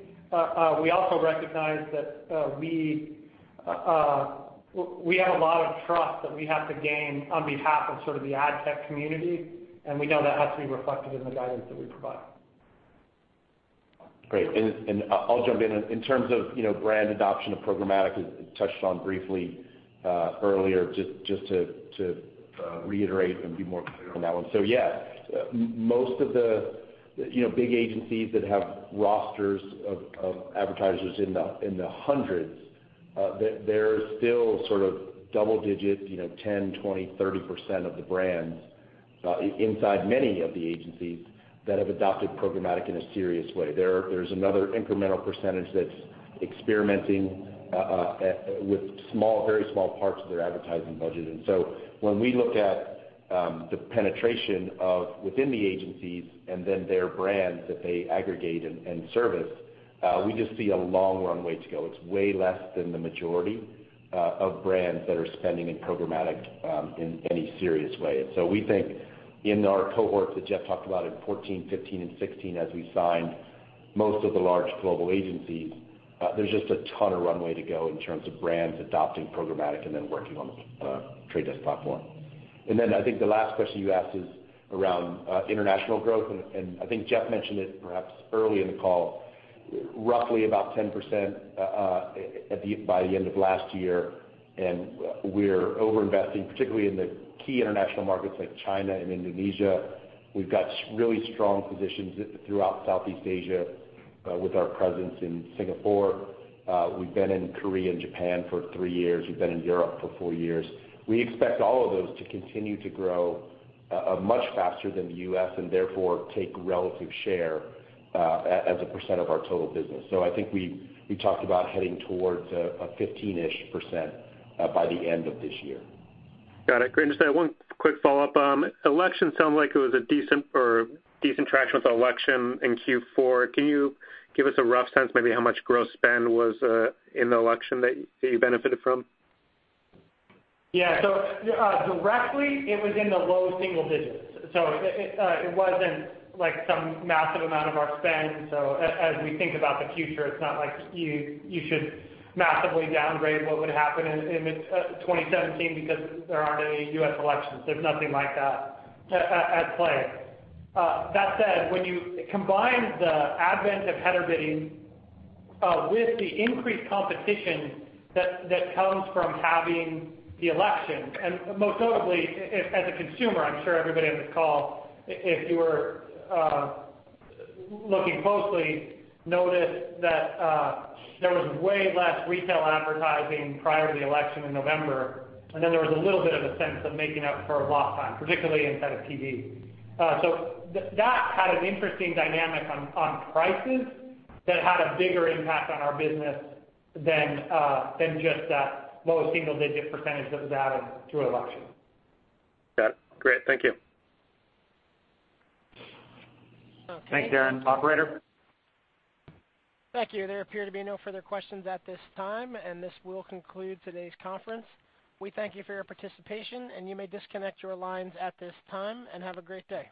we also recognize that we have a lot of trust that we have to gain on behalf of sort of the ad tech community, we know that has to be reflected in the guidance that we provide. Great. I'll jump in. In terms of brand adoption of programmatic, as touched on briefly earlier, just to reiterate and be more clear on that one. Yeah, most of the big agencies that have rosters of advertisers in the hundreds, there's still sort of double digit, 10%, 20%, 30% of the brands inside many of the agencies that have adopted programmatic in a serious way. There's another incremental percentage that's experimenting with very small parts of their advertising budget. When we look at the penetration within the agencies and then their brands that they aggregate and service, we just see a long runway to go. It's way less than the majority of brands that are spending in programmatic in any serious way. We think in our cohorts that Jeff talked about in 2014, 2015 and 2016, as we signed most of the large global agencies, there's just a ton of runway to go in terms of brands adopting programmatic and them working on The Trade Desk platform. I think the last question you asked is around international growth, Jeff mentioned it perhaps early in the call, roughly about 10% by the end of last year. We're over-investing, particularly in the key international markets like China and Indonesia. We've got really strong positions throughout Southeast Asia with our presence in Singapore. We've been in Korea and Japan for three years. We've been in Europe for four years. We expect all of those to continue to grow much faster than the U.S., and therefore, take relative share as a % of our total business. I think we talked about heading towards a 15-ish % by the end of this year. Got it. Great. Just one quick follow-up. Election sounded like it was a decent traction with the election in Q4. Can you give us a rough sense maybe how much gross spend was in the election that you benefited from? Yeah. Directly, it was in the low single digits. It wasn't like some massive amount of our spend. As we think about the future, it's not like you should massively downgrade what would happen in mid-2017 because there aren't any U.S. elections. There's nothing like that at play. That said, when you combine the advent of header bidding with the increased competition that comes from having the election, and most notably, as a consumer, I'm sure everybody on this call, if you were looking closely, noticed that there was way less retail advertising prior to the election in November. There was a little bit of a sense of making up for lost time, particularly inside of TV. That had an interesting dynamic on prices that had a bigger impact on our business than just that low single-digit percentage that was added through elections. Got it. Great. Thank you. Okay. Thanks, Aaron. Operator? Thank you. There appear to be no further questions at this time. This will conclude today's conference. We thank you for your participation. You may disconnect your lines at this time, and have a great day.